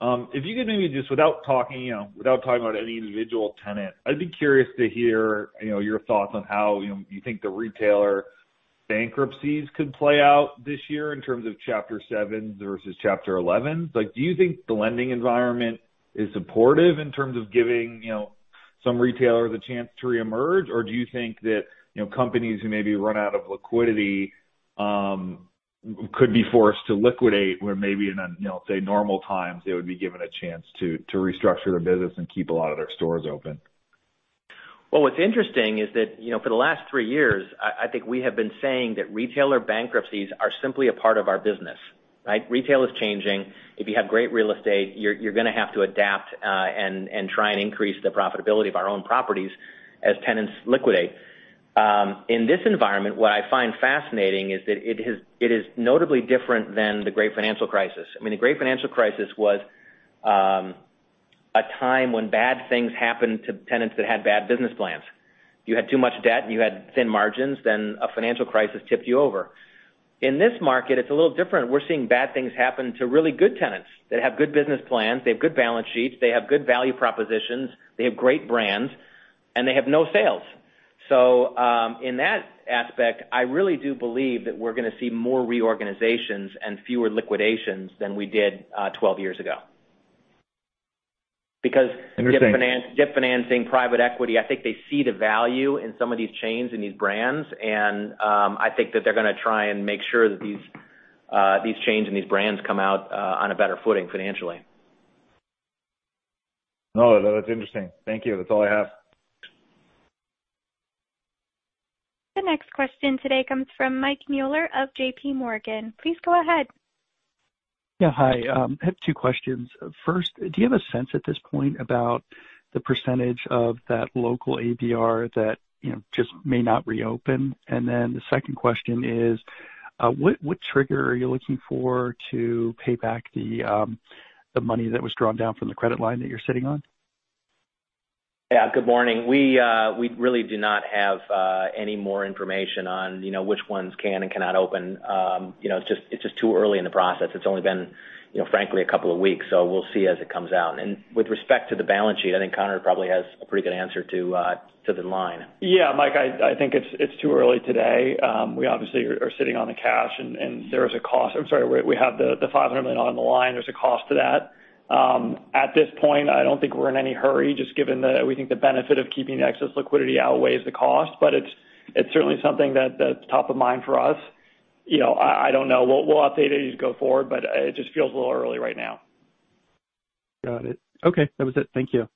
If you could maybe just, without talking about any individual tenant, I'd be curious to hear your thoughts on how you think the retailer bankruptcies could play out this year in terms of Chapter 7 versus Chapter 11. Do you think the lending environment is supportive in terms of giving some retailer the chance to reemerge? Or do you think that companies who maybe run out of liquidity could be forced to liquidate where maybe in, say, normal times, they would be given a chance to restructure their business and keep a lot of their stores open? Well, what's interesting is that for the last three years, I think we have been saying that retailer bankruptcies are simply a part of our business, right? Retail is changing. If you have great real estate, you're going to have to adapt and try and increase the profitability of our own properties as tenants liquidate. In this environment, what I find fascinating is that it is notably different than the Great Financial Crisis. The Great Financial Crisis was a time when bad things happened to tenants that had bad business plans. You had too much debt and you had thin margins, a financial crisis tipped you over. In this market, it's a little different. We're seeing bad things happen to really good tenants that have good business plans, they have good balance sheets, they have good value propositions, they have great brands, and they have no sales. In that aspect, I really do believe that we're going to see more reorganizations and fewer liquidations than we did 12 years ago. Interesting Debt financing, private equity, I think they see the value in some of these chains and these brands. I think that they're going to try and make sure that these chains and these brands come out on a better footing financially. No, that's interesting. Thank you. That's all I have. The next question today comes from Mike Mueller of JPMorgan. Please go ahead. Yeah. Hi. I have two questions. First, do you have a sense at this point about the percentage of that local ABR that just may not reopen? The second question is, what trigger are you looking for to pay back the money that was drawn down from the credit line that you're sitting on? Yeah. Good morning. We really do not have any more information on which ones can and cannot open. It's just too early in the process. It's only been, frankly, a couple of weeks. We'll see as it comes out. With respect to the balance sheet, I think Conor probably has a pretty good answer to the line. Yeah, Mike, I think it's too early today. We obviously are sitting on the cash. I'm sorry. We have the $500 million on the line. There's a cost to that. At this point, I don't think we're in any hurry, just given that we think the benefit of keeping excess liquidity outweighs the cost. It's certainly something that's top of mind for us. I don't know. We'll update as you go forward, but it just feels a little early right now. Got it. Okay. That was it. Thank you.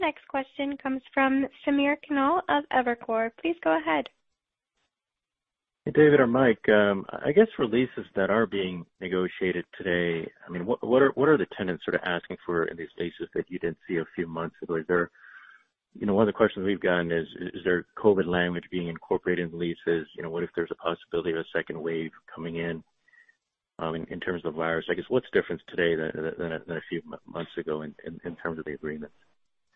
Next question comes from Samir Khanal of Evercore. Please go ahead. David or Mike, I guess for leases that are being negotiated today, what are the tenants sort of asking for in these leases that you didn't see a few months ago? One of the questions we've gotten is there COVID language being incorporated in leases? What if there's a possibility of a second wave coming in terms of the virus? I guess, what's different today than a few months ago in terms of the agreements?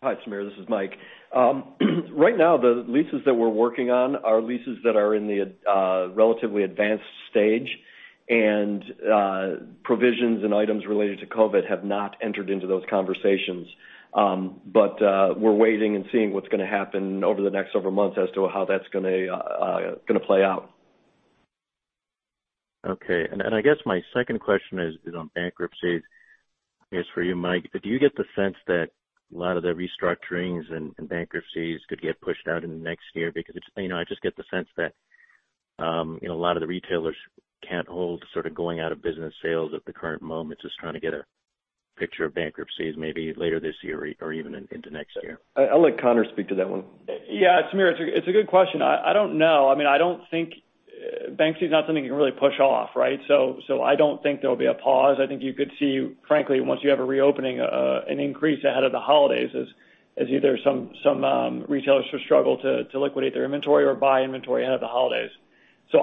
Hi, Samir. This is Mike. Right now, the leases that we're working on are leases that are in the relatively advanced stage. Provisions and items related to COVID have not entered into those conversations. We're waiting and seeing what's going to happen over the next several months as to how that's going to play out. Okay. I guess my second question is on bankruptcies. It's for you, Mike. Do you get the sense that a lot of the restructurings and bankruptcies could get pushed out in the next year? I just get the sense that a lot of the retailers can't hold sort of going out of business sales at the current moment, just trying to get a picture of bankruptcies maybe later this year or even into next year. I'll let Conor speak to that one. Yeah, Samir, it's a good question. I don't know. Bankruptcy is not something you can really push off, right? I don't think there'll be a pause. I think you could see, frankly, once you have a reopening, an increase ahead of the holidays as either some retailers who struggle to liquidate their inventory or buy inventory ahead of the holidays.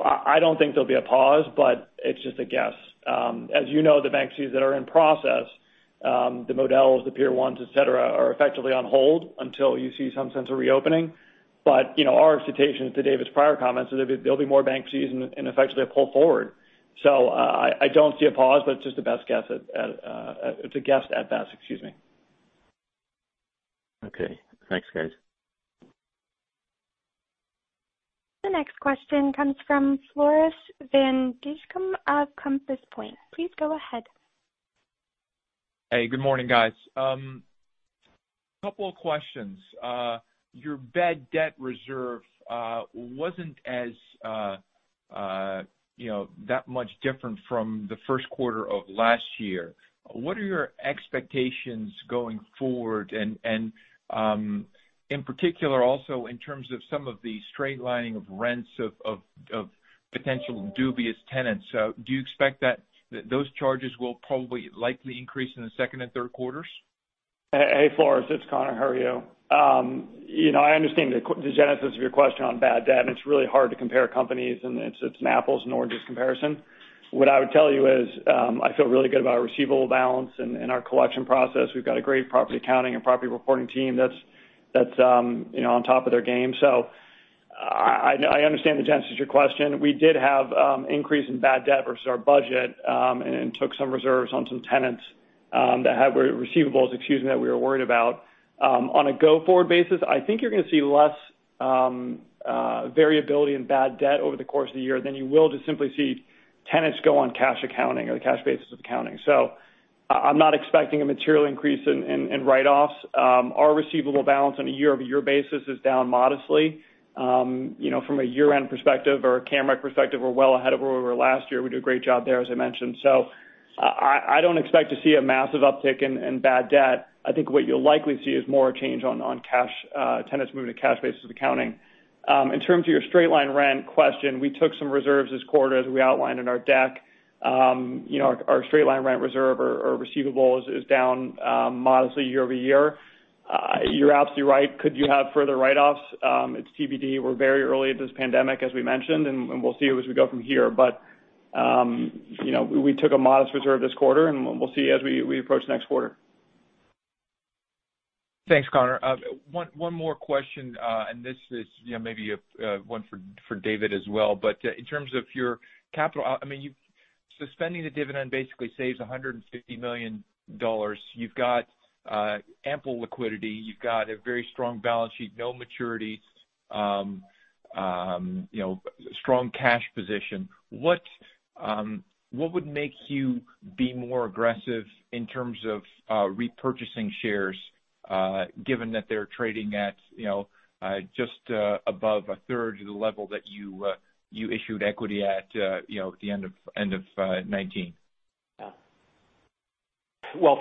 I don't think there'll be a pause. It's just a guess. As you know, the bankruptcies that are in process, the Modell's, the Pier 1s, et cetera, are effectively on hold until you see some sense of reopening. Our expectations to David's prior comments, there'll be more bankruptcies and effectively a pull forward. I don't see a pause. It's a guess at best. Excuse me. Okay, thanks, guys. The next question comes from Floris van Dijkum of Compass Point. Please go ahead. Hey, good morning, guys. A couple of questions. Your bad debt reserve wasn't that much different from the first quarter of last year. What are your expectations going forward? In particular, also in terms of some of the straight lining of rents of potential dubious tenants, do you expect that those charges will probably likely increase in the second and third quarters? Hey, Floris, it's Conor. How are you? I understand the genesis of your question on bad debt. It's really hard to compare companies. It's an apples and oranges comparison. What I would tell you is, I feel really good about our receivable balance and our collection process. We've got a great property accounting and property reporting team that's on top of their game. I understand the genesis of your question. We did have an increase in bad debt versus our budget. Took some reserves on some tenants that had receivables, excuse me, that we were worried about. On a go-forward basis, I think you're going to see less variability in bad debt over the course of the year than you will just simply see tenants go on cash accounting or the cash basis of accounting. I'm not expecting a material increase in write-offs. Our receivable balance on a year-over-year basis is down modestly. From a year-end perspective or a CAM rec perspective, we're well ahead of where we were last year. We did a great job there, as I mentioned. I don't expect to see a massive uptick in bad debt. I think what you'll likely see is more a change on tenants moving to cash basis of accounting. In terms of your straight-line rent question, we took some reserves this quarter, as we outlined in our deck. Our straight-line rent reserve or receivables is down modestly year-over-year. You're absolutely right. Could you have further write-offs? It's TBD. We're very early in this pandemic, as we mentioned, and we'll see as we go from here. We took a modest reserve this quarter, and we'll see as we approach next quarter. Thanks, Conor. One more question, and this is maybe one for David as well, but in terms of your capital, suspending the dividend basically saves $150 million. You've got ample liquidity, you've got a very strong balance sheet, no maturity, strong cash position. What would make you be more aggressive in terms of repurchasing shares, given that they're trading at just above a third of the level that you issued equity at the end of 2019?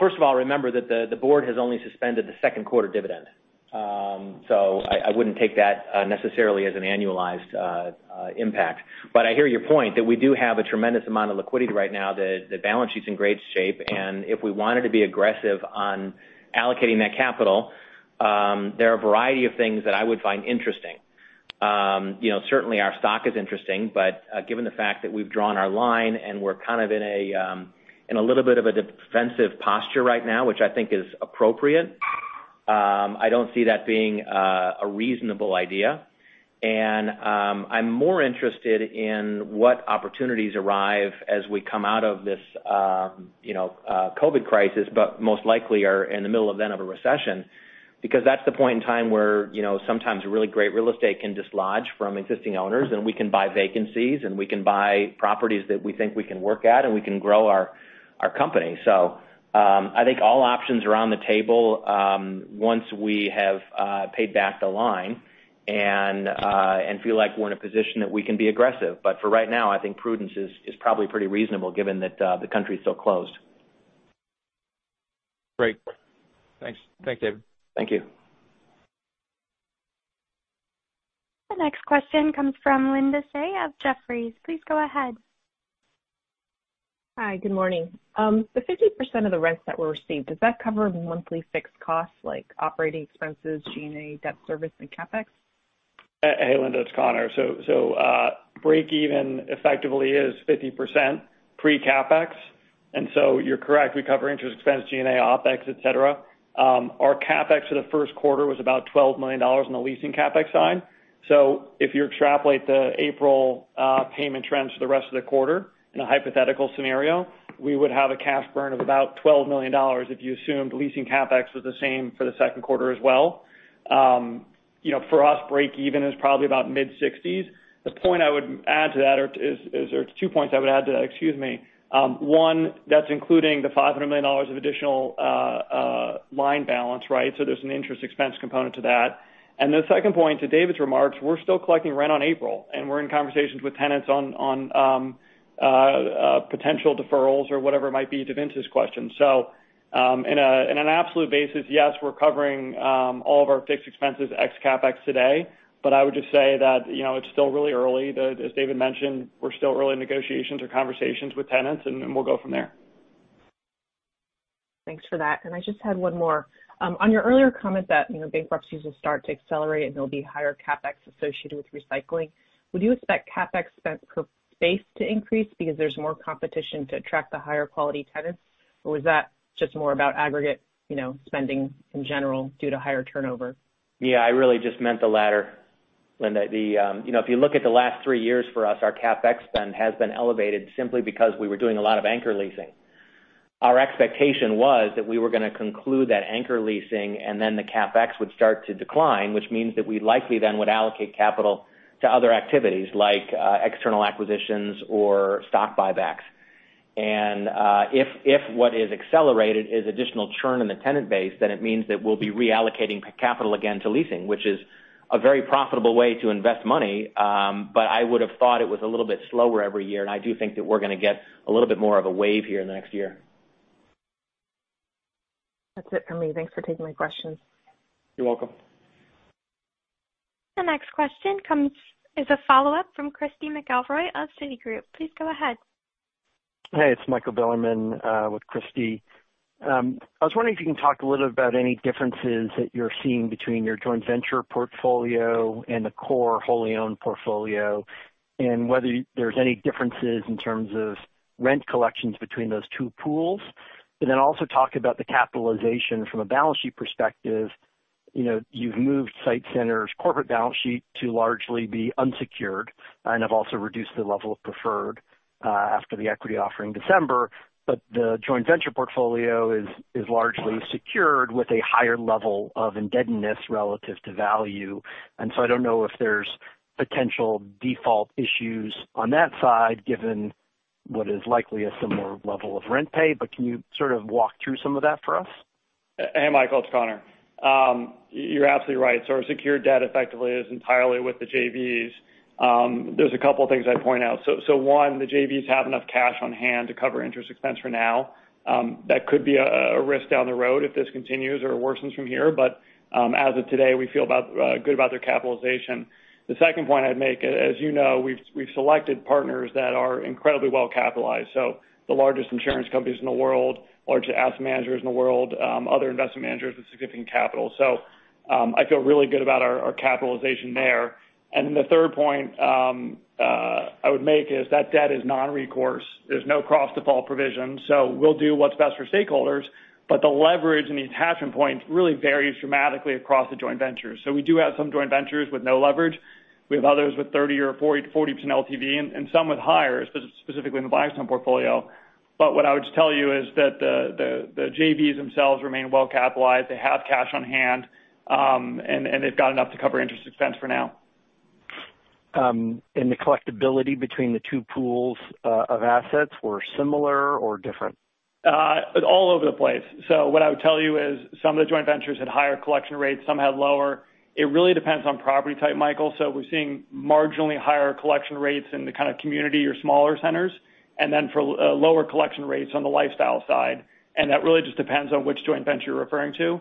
First of all, remember that the board has only suspended the second quarter dividend. I wouldn't take that necessarily as an annualized impact. I hear your point that we do have a tremendous amount of liquidity right now. The balance sheet's in great shape, and if we wanted to be aggressive on allocating that capital, there are a variety of things that I would find interesting. Certainly, our stock is interesting, but given the fact that we've drawn our line and we're kind of in a little bit of a defensive posture right now, which I think is appropriate, I don't see that being a reasonable idea. I'm more interested in what opportunities arrive as we come out of this COVID crisis, but most likely are in the middle of then of a recession, because that's the point in time where sometimes really great real estate can dislodge from existing owners, and we can buy vacancies, and we can buy properties that we think we can work at, and we can grow our company. I think all options are on the table once we have paid back the line and feel like we're in a position that we can be aggressive. For right now, I think prudence is probably pretty reasonable given that the country is still closed. Great. Thanks. Thanks, David. Thank you. The next question comes from Linda Tsai of Jefferies. Please go ahead. Hi. Good morning. The 50% of the rents that were received, does that cover monthly fixed costs like operating expenses, G&A, debt service, and CapEx? Hey, Linda, it's Conor. Breakeven effectively is 50% pre-CapEx. You're correct. We cover interest expense, G&A, OpEx, et cetera. Our CapEx for the first quarter was about $12 million on the leasing CapEx side. If you extrapolate the April payment trends for the rest of the quarter in a hypothetical scenario, we would have a cash burn of about $12 million if you assumed leasing CapEx was the same for the second quarter as well. For us, breakeven is probably about mid-60s. The point I would add to that or there's two points I would add to that, excuse me. One, that's including the $500 million of additional line balance, right? There's an interest expense component to that. The second point to David's remarks, we're still collecting rent on April, and we're in conversations with tenants on potential deferrals or whatever it might be to Vince's question. In an absolute basis, yes, we're covering all of our fixed expenses ex CapEx today. I would just say that it's still really early. As David mentioned, we're still early in negotiations or conversations with tenants, and we'll go from there. Thanks for that. I just had one more. On your earlier comment that bankruptcies will start to accelerate and there'll be higher CapEx associated with recycling, would you expect CapEx spend per base to increase because there's more competition to attract the higher quality tenants? Or was that just more about aggregate spending in general due to higher turnover? Yeah, I really just meant the latter, Linda. If you look at the last three years for us, our CapEx spend has been elevated simply because we were doing a lot of anchor leasing. Our expectation was that we were going to conclude that anchor leasing and then the CapEx would start to decline, which means that we likely then would allocate capital to other activities like external acquisitions or stock buybacks. If what is accelerated is additional churn in the tenant base, then it means that we'll be reallocating capital again to leasing, which is a very profitable way to invest money. I would've thought it was a little bit slower every year, and I do think that we're going to get a little bit more of a wave here in the next year. That's it for me. Thanks for taking my questions. You're welcome. The next question is a follow-up from Christy McElroy of Citigroup. Please go ahead. Hey, it's Michael Bilerman with Christy. I was wondering if you can talk a little about any differences that you're seeing between your joint venture portfolio and the core wholly owned portfolio, and whether there's any differences in terms of rent collections between those two pools. Also talk about the capitalization from a balance sheet perspective. You've moved SITE Centers' corporate balance sheet to largely be unsecured and have also reduced the level of preferred after the equity offer in December. The joint venture portfolio is largely secured with a higher level of indebtedness relative to value. I don't know if there's potential default issues on that side, given what is likely a similar level of rent pay, can you sort of walk through some of that for us? Hey, Michael, it's Connor. You're absolutely right. Our secured debt effectively is entirely with the JVs. There's a couple things I'd point out. One, the JVs have enough cash on hand to cover interest expense for now. That could be a risk down the road if this continues or worsens from here. As of today, we feel good about their capitalization. The second point I'd make, as you know, we've selected partners that are incredibly well-capitalized. The largest insurance companies in the world, largest asset managers in the world, other investment managers with significant capital. I feel really good about our capitalization there. The third point I would make is that debt is non-recourse. There's no cross-default provision. We'll do what's best for stakeholders, the leverage and the attachment points really varies dramatically across the joint ventures. We do have some joint ventures with no leverage. We have others with 30% or 40% LTV and some with higher, specifically in the lifestyle portfolio. What I would just tell you is that the JVs themselves remain well-capitalized. They have cash on hand, and they've got enough to cover interest expense for now. The collectibility between the two pools of assets were similar or different? All over the place. What I would tell you is some of the joint ventures had higher collection rates, some had lower. It really depends on property type, Michael. We're seeing marginally higher collection rates in the kind of community or smaller centers, and then lower collection rates on the lifestyle side, and that really just depends on which joint venture you're referring to.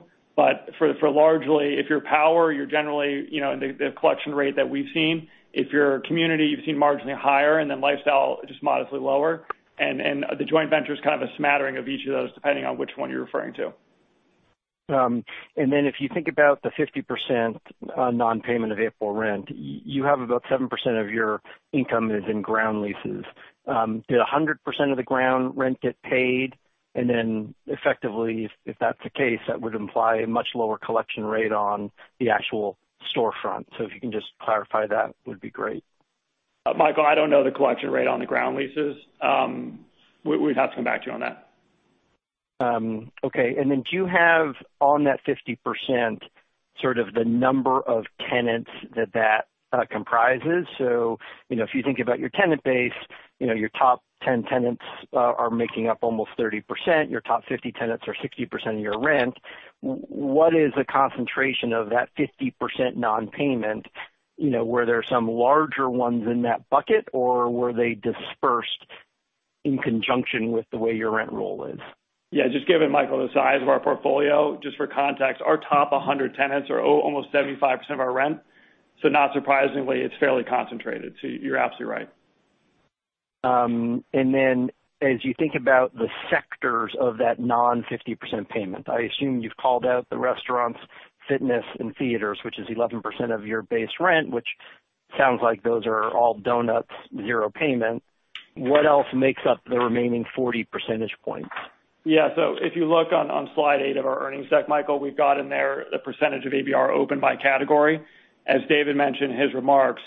For largely, if you're power, you're generally in the collection rate that we've seen. If you're a community, you've seen marginally higher, and then lifestyle, just modestly lower. The joint venture is kind of a smattering of each of those, depending on which one you're referring to. If you think about the 50% non-payment of April rent, you have about 7% of your income is in ground leases. Did 100% of the ground rent get paid? Effectively, if that's the case, that would imply a much lower collection rate on the actual storefront. If you can just clarify that would be great. Michael, I don't know the collection rate on the ground leases. We'd have to come back to you on that. Okay. Do you have on that 50% sort of the number of tenants that comprises? If you think about your tenant base, your top 10 tenants are making up almost 30%. Your top 50 tenants are 60% of your rent. What is the concentration of that 50% non-payment? Were there some larger ones in that bucket, or were they dispersed in conjunction with the way your rent roll is? Yeah, just given, Michael, the size of our portfolio, just for context, our top 100 tenants are almost 75% of our rent. Not surprisingly, it's fairly concentrated. You're absolutely right. As you think about the sectors of that non-50% payment, I assume you've called out the restaurants, fitness, and theaters, which is 11% of your base rent. Sounds like those are all donuts, zero payment. What else makes up the remaining 40 percentage points? Yeah. If you look on slide eight of our earnings deck, Michael, we've got in there the percentage of ABR open by category. As David mentioned in his remarks,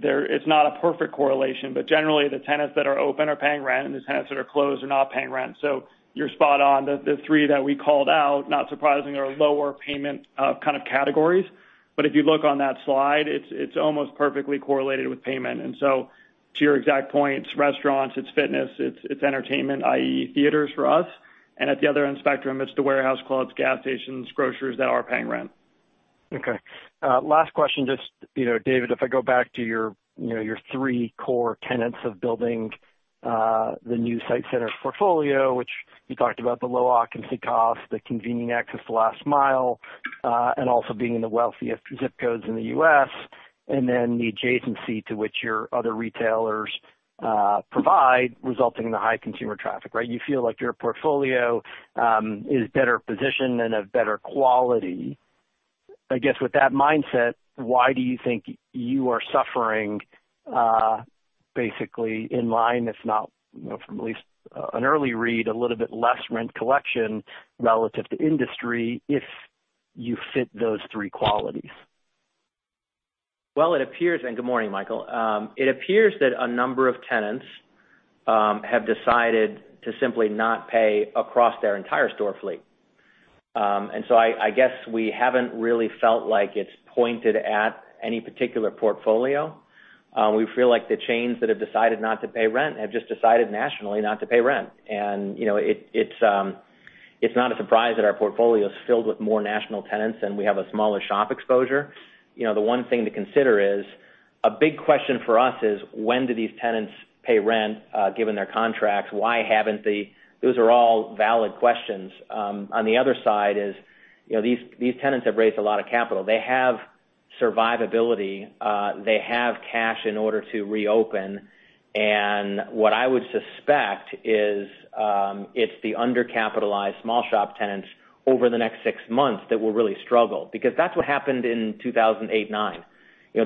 it's not a perfect correlation, but generally, the tenants that are open are paying rent, and the tenants that are closed are not paying rent. You're spot on. The three that we called out, not surprising, are lower payment kind of categories. If you look on that slide, it's almost perfectly correlated with payment. To your exact point, it's restaurants, it's fitness, it's entertainment, i.e., theaters for us. At the other end of the spectrum, it's the warehouse clubs, gas stations, groceries that are paying rent. Okay. Last question, just, David, if I go back to your three core tenants of building the new SITE Centers portfolio, which you talked about the low occupancy cost, the convenient access to last mile, and also being in the wealthiest zip codes in the U.S., and then the adjacency to which your other retailers provide, resulting in the high consumer traffic, right? You feel like your portfolio is better positioned and of better quality. I guess with that mindset, why do you think you are suffering basically in line, if not from at least an early read, a little bit less rent collection relative to industry if you fit those three qualities? Well, it appears, and good morning, Michael. It appears that a number of tenants have decided to simply not pay across their entire store fleet. I guess we haven't really felt like it's pointed at any particular portfolio. We feel like the chains that have decided not to pay rent have just decided nationally not to pay rent. It's not a surprise that our portfolio is filled with more national tenants and we have a smaller shop exposure. The one thing to consider is, a big question for us is when do these tenants pay rent given their contracts? Why haven't they? Those are all valid questions. On the other side is, these tenants have raised a lot of capital. They have survivability. They have cash in order to reopen. What I would suspect is it's the undercapitalized small shop tenants over the next six months that will really struggle, because that's what happened in 2008 and 2009.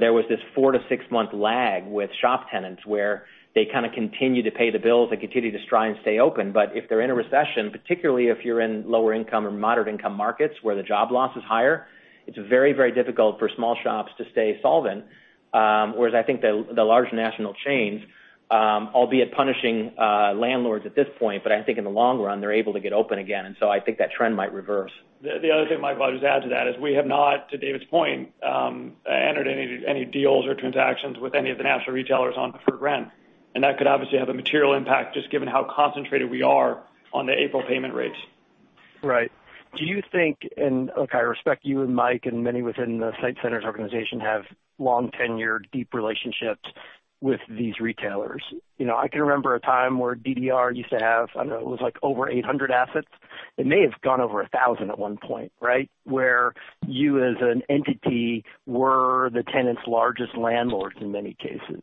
There was this four to six-month lag with shop tenants where they kind of continue to pay the bills, they continue to try and stay open. If they're in a recession, particularly if you're in lower income or moderate income markets where the job loss is higher, it's very difficult for small shops to stay solvent. Whereas I think the large national chains, albeit punishing landlords at this point, but I think in the long run, they're able to get open again. I think that trend might reverse. The other thing, Michael, I'll just add to that is we have not, to David's point, entered any deals or transactions with any of the national retailers on deferred rent. That could obviously have a material impact just given how concentrated we are on the April payment rates. Right. Do you think, look, I respect you and Mike, and many within the SITE Centers organization have long tenured deep relationships with these retailers. I can remember a time where DDR used to have, I don't know, it was like over 800 assets. It may have gone over 1,000 at one point, right? Where you as an entity were the tenant's largest landlords in many cases.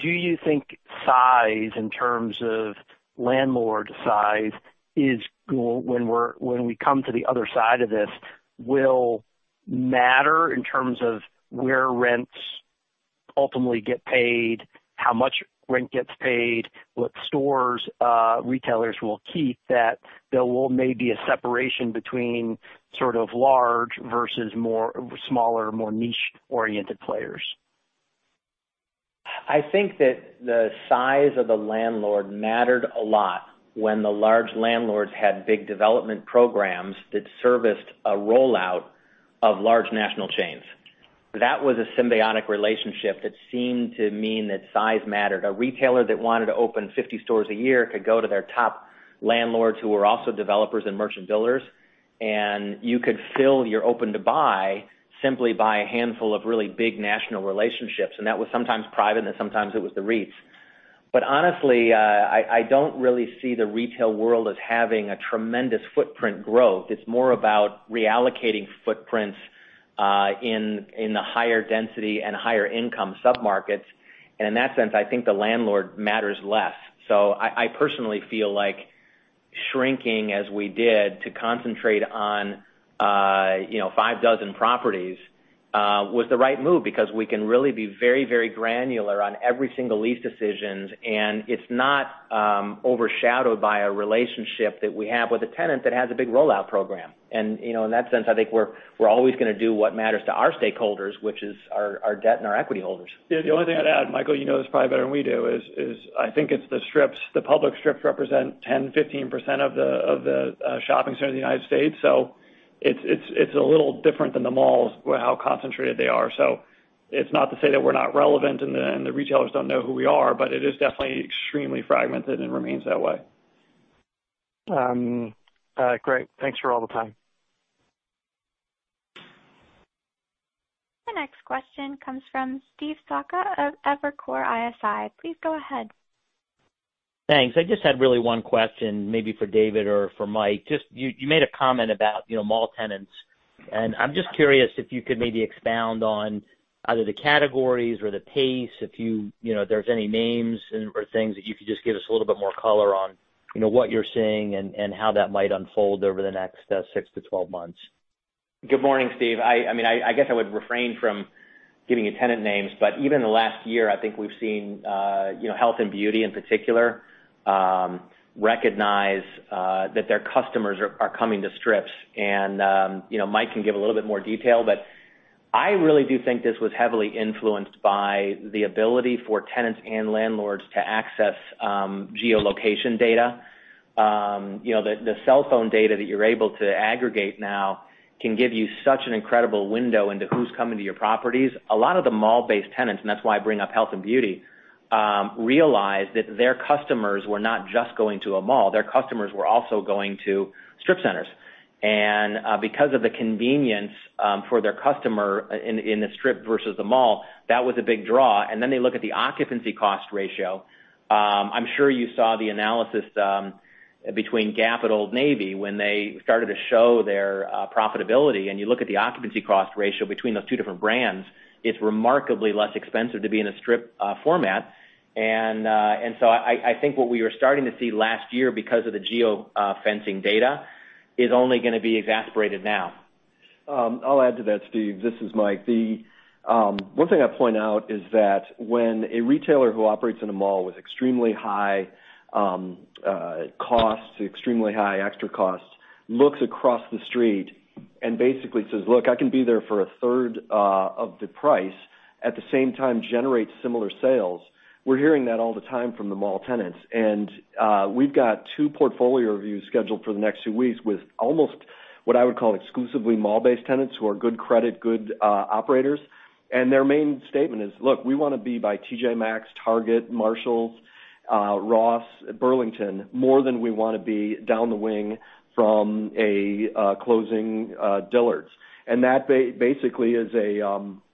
Do you think size in terms of landlord size is when we come to the other side of this, will matter in terms of where rents ultimately get paid, how much rent gets paid, what stores retailers will keep, that there will may be a separation between sort of large versus more smaller, more niche-oriented players? I think that the size of the landlord mattered a lot when the large landlords had big development programs that serviced a rollout of large national chains. That was a symbiotic relationship that seemed to mean that size mattered. A retailer that wanted to open 50 stores a year could go to their top landlords who were also developers and merchant builders, and you could fill your open-to-buy simply by a handful of really big national relationships. That was sometimes private, and sometimes it was the REITs. Honestly, I don't really see the retail world as having a tremendous footprint growth. It's more about reallocating footprints in the higher density and higher income sub-markets. In that sense, I think the landlord matters less. I personally feel like shrinking as we did to concentrate on five dozen properties was the right move because we can really be very granular on every single lease decisions, and it's not overshadowed by a relationship that we have with a tenant that has a big rollout program. In that sense, I think we're always going to do what matters to our stakeholders, which is our debt and our equity holders. The only thing I'd add, Michael, you know this probably better than we do, is I think it's the strips. The public strips represent 10%-15% of the shopping centers in the U.S. It's a little different than the malls, how concentrated they are. It's not to say that we're not relevant and the retailers don't know who we are, but it is definitely extremely fragmented and remains that way. Great. Thanks for all the time. The next question comes from Steve Sakwa of Evercore ISI. Please go ahead. Thanks. I just had really one question maybe for David or for Mike. Just you made a comment about mall tenants. I'm just curious if you could maybe expound on either the categories or the pace, if there's any names or things that you could just give us a little bit more color on what you're seeing and how that might unfold over the next 6-12 months. Good morning, Steve. I guess I would refrain from giving you tenant names, but even in the last year, I think we've seen health and beauty in particular recognize that their customers are coming to strips. Mike can give a little bit more detail, but I really do think this was heavily influenced by the ability for tenants and landlords to access geolocation data. The cellphone data that you're able to aggregate now can give you such an incredible window into who's coming to your properties. A lot of the mall-based tenants, and that's why I bring up health and beauty, realized that their customers were not just going to a mall. Their customers were also going to strip centers. Because of the convenience for their customer in the strip versus the mall, that was a big draw. Then they look at the occupancy cost ratio. I'm sure you saw the analysis between Gap and Old Navy when they started to show their profitability. You look at the occupancy cost ratio between those two different brands, it's remarkably less expensive to be in a strip format. I think what we were starting to see last year because of the geo-fencing data is only going to be exacerbated now. I'll add to that, Steve. This is Mike. The one thing I point out is that when a retailer who operates in a mall with extremely high costs, extremely high extra costs, looks across the street and says, "Look, I can be there for a third of the price, at the same time generate similar sales." We're hearing that all the time from the mall tenants. We've got two portfolio reviews scheduled for the next two weeks with almost what I would call exclusively mall-based tenants who are good credit, good operators. Their main statement is, "Look, we want to be by T.J. Maxx, Target, Marshalls, Ross, Burlington, more than we want to be down the wing from a closing Dillard's." That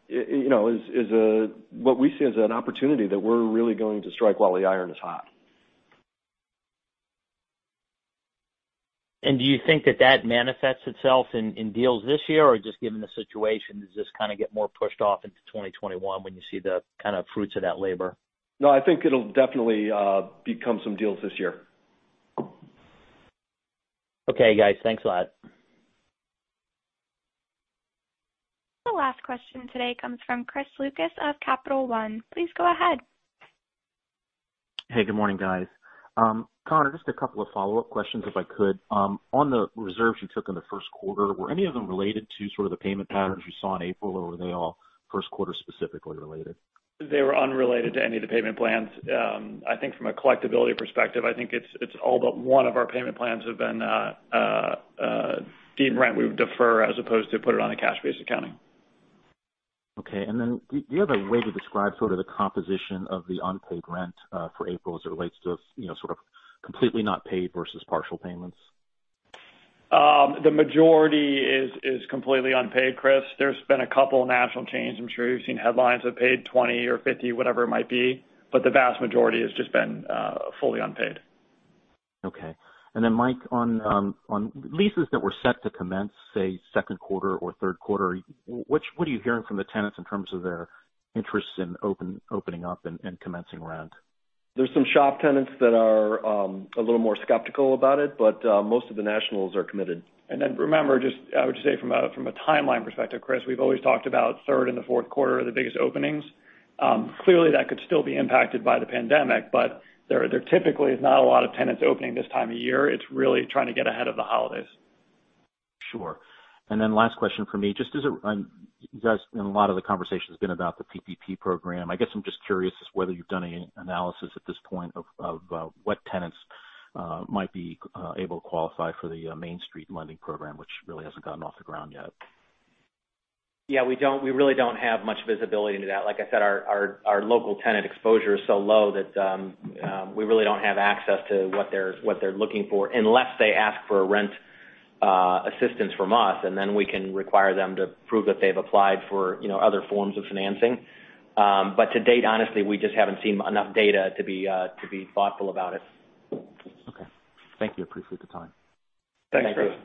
is what we see as an opportunity that we're really going to strike while the iron is hot. Do you think that that manifests itself in deals this year? Or just given the situation, does this kind of get more pushed off into 2021 when you see the kind of fruits of that labor? No, I think it'll definitely become some deals this year. Okay, guys. Thanks a lot. The last question today comes from Chris Lucas of Capital One. Please go ahead. Hey, good morning, guys. Conor, just a couple of follow-up questions, if I could. On the reserves you took in the first quarter, were any of them related to sort of the payment patterns you saw in April, or were they all first quarter specifically related? They were unrelated to any of the payment plans. I think from a collectibility perspective, I think it's all but one of our payment plans have been deemed rent we would defer as opposed to put it on a cash basis accounting. Okay. Do you have a way to describe sort of the composition of the unpaid rent for April as it relates to sort of completely not paid versus partial payments? The majority is completely unpaid, Chris. There's been a couple of national chains, I'm sure you've seen headlines, that paid 20 or 50, whatever it might be. The vast majority has just been fully unpaid. Okay. Then Mike, on leases that were set to commence, say, second quarter or third quarter, what are you hearing from the tenants in terms of their interest in opening up and commencing rent? There's some shop tenants that are a little more skeptical about it, but most of the nationals are committed. Remember, I would just say from a timeline perspective, Chris, we've always talked about third and the fourth quarter are the biggest openings. Clearly, that could still be impacted by the pandemic, but there typically is not a lot of tenants opening this time of year. It's really trying to get ahead of the holidays. Sure. Last question from me. A lot of the conversation has been about the PPP program. I guess I'm just curious as to whether you've done any analysis at this point of what tenants might be able to qualify for the Main Street Lending Program, which really hasn't gotten off the ground yet. Yeah, we really don't have much visibility into that. Like I said, our local tenant exposure is so low that we really don't have access to what they're looking for unless they ask for rent assistance from us, and then we can require them to prove that they've applied for other forms of financing. To date, honestly, we just haven't seen enough data to be thoughtful about it. Okay. Thank you. I appreciate the time. Thanks, Chris. Thanks.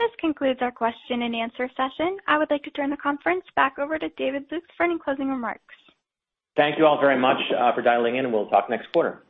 This concludes our question and answer session. I would like to turn the conference back over to David Lukes for any closing remarks. Thank you all very much for dialing in. We'll talk next quarter.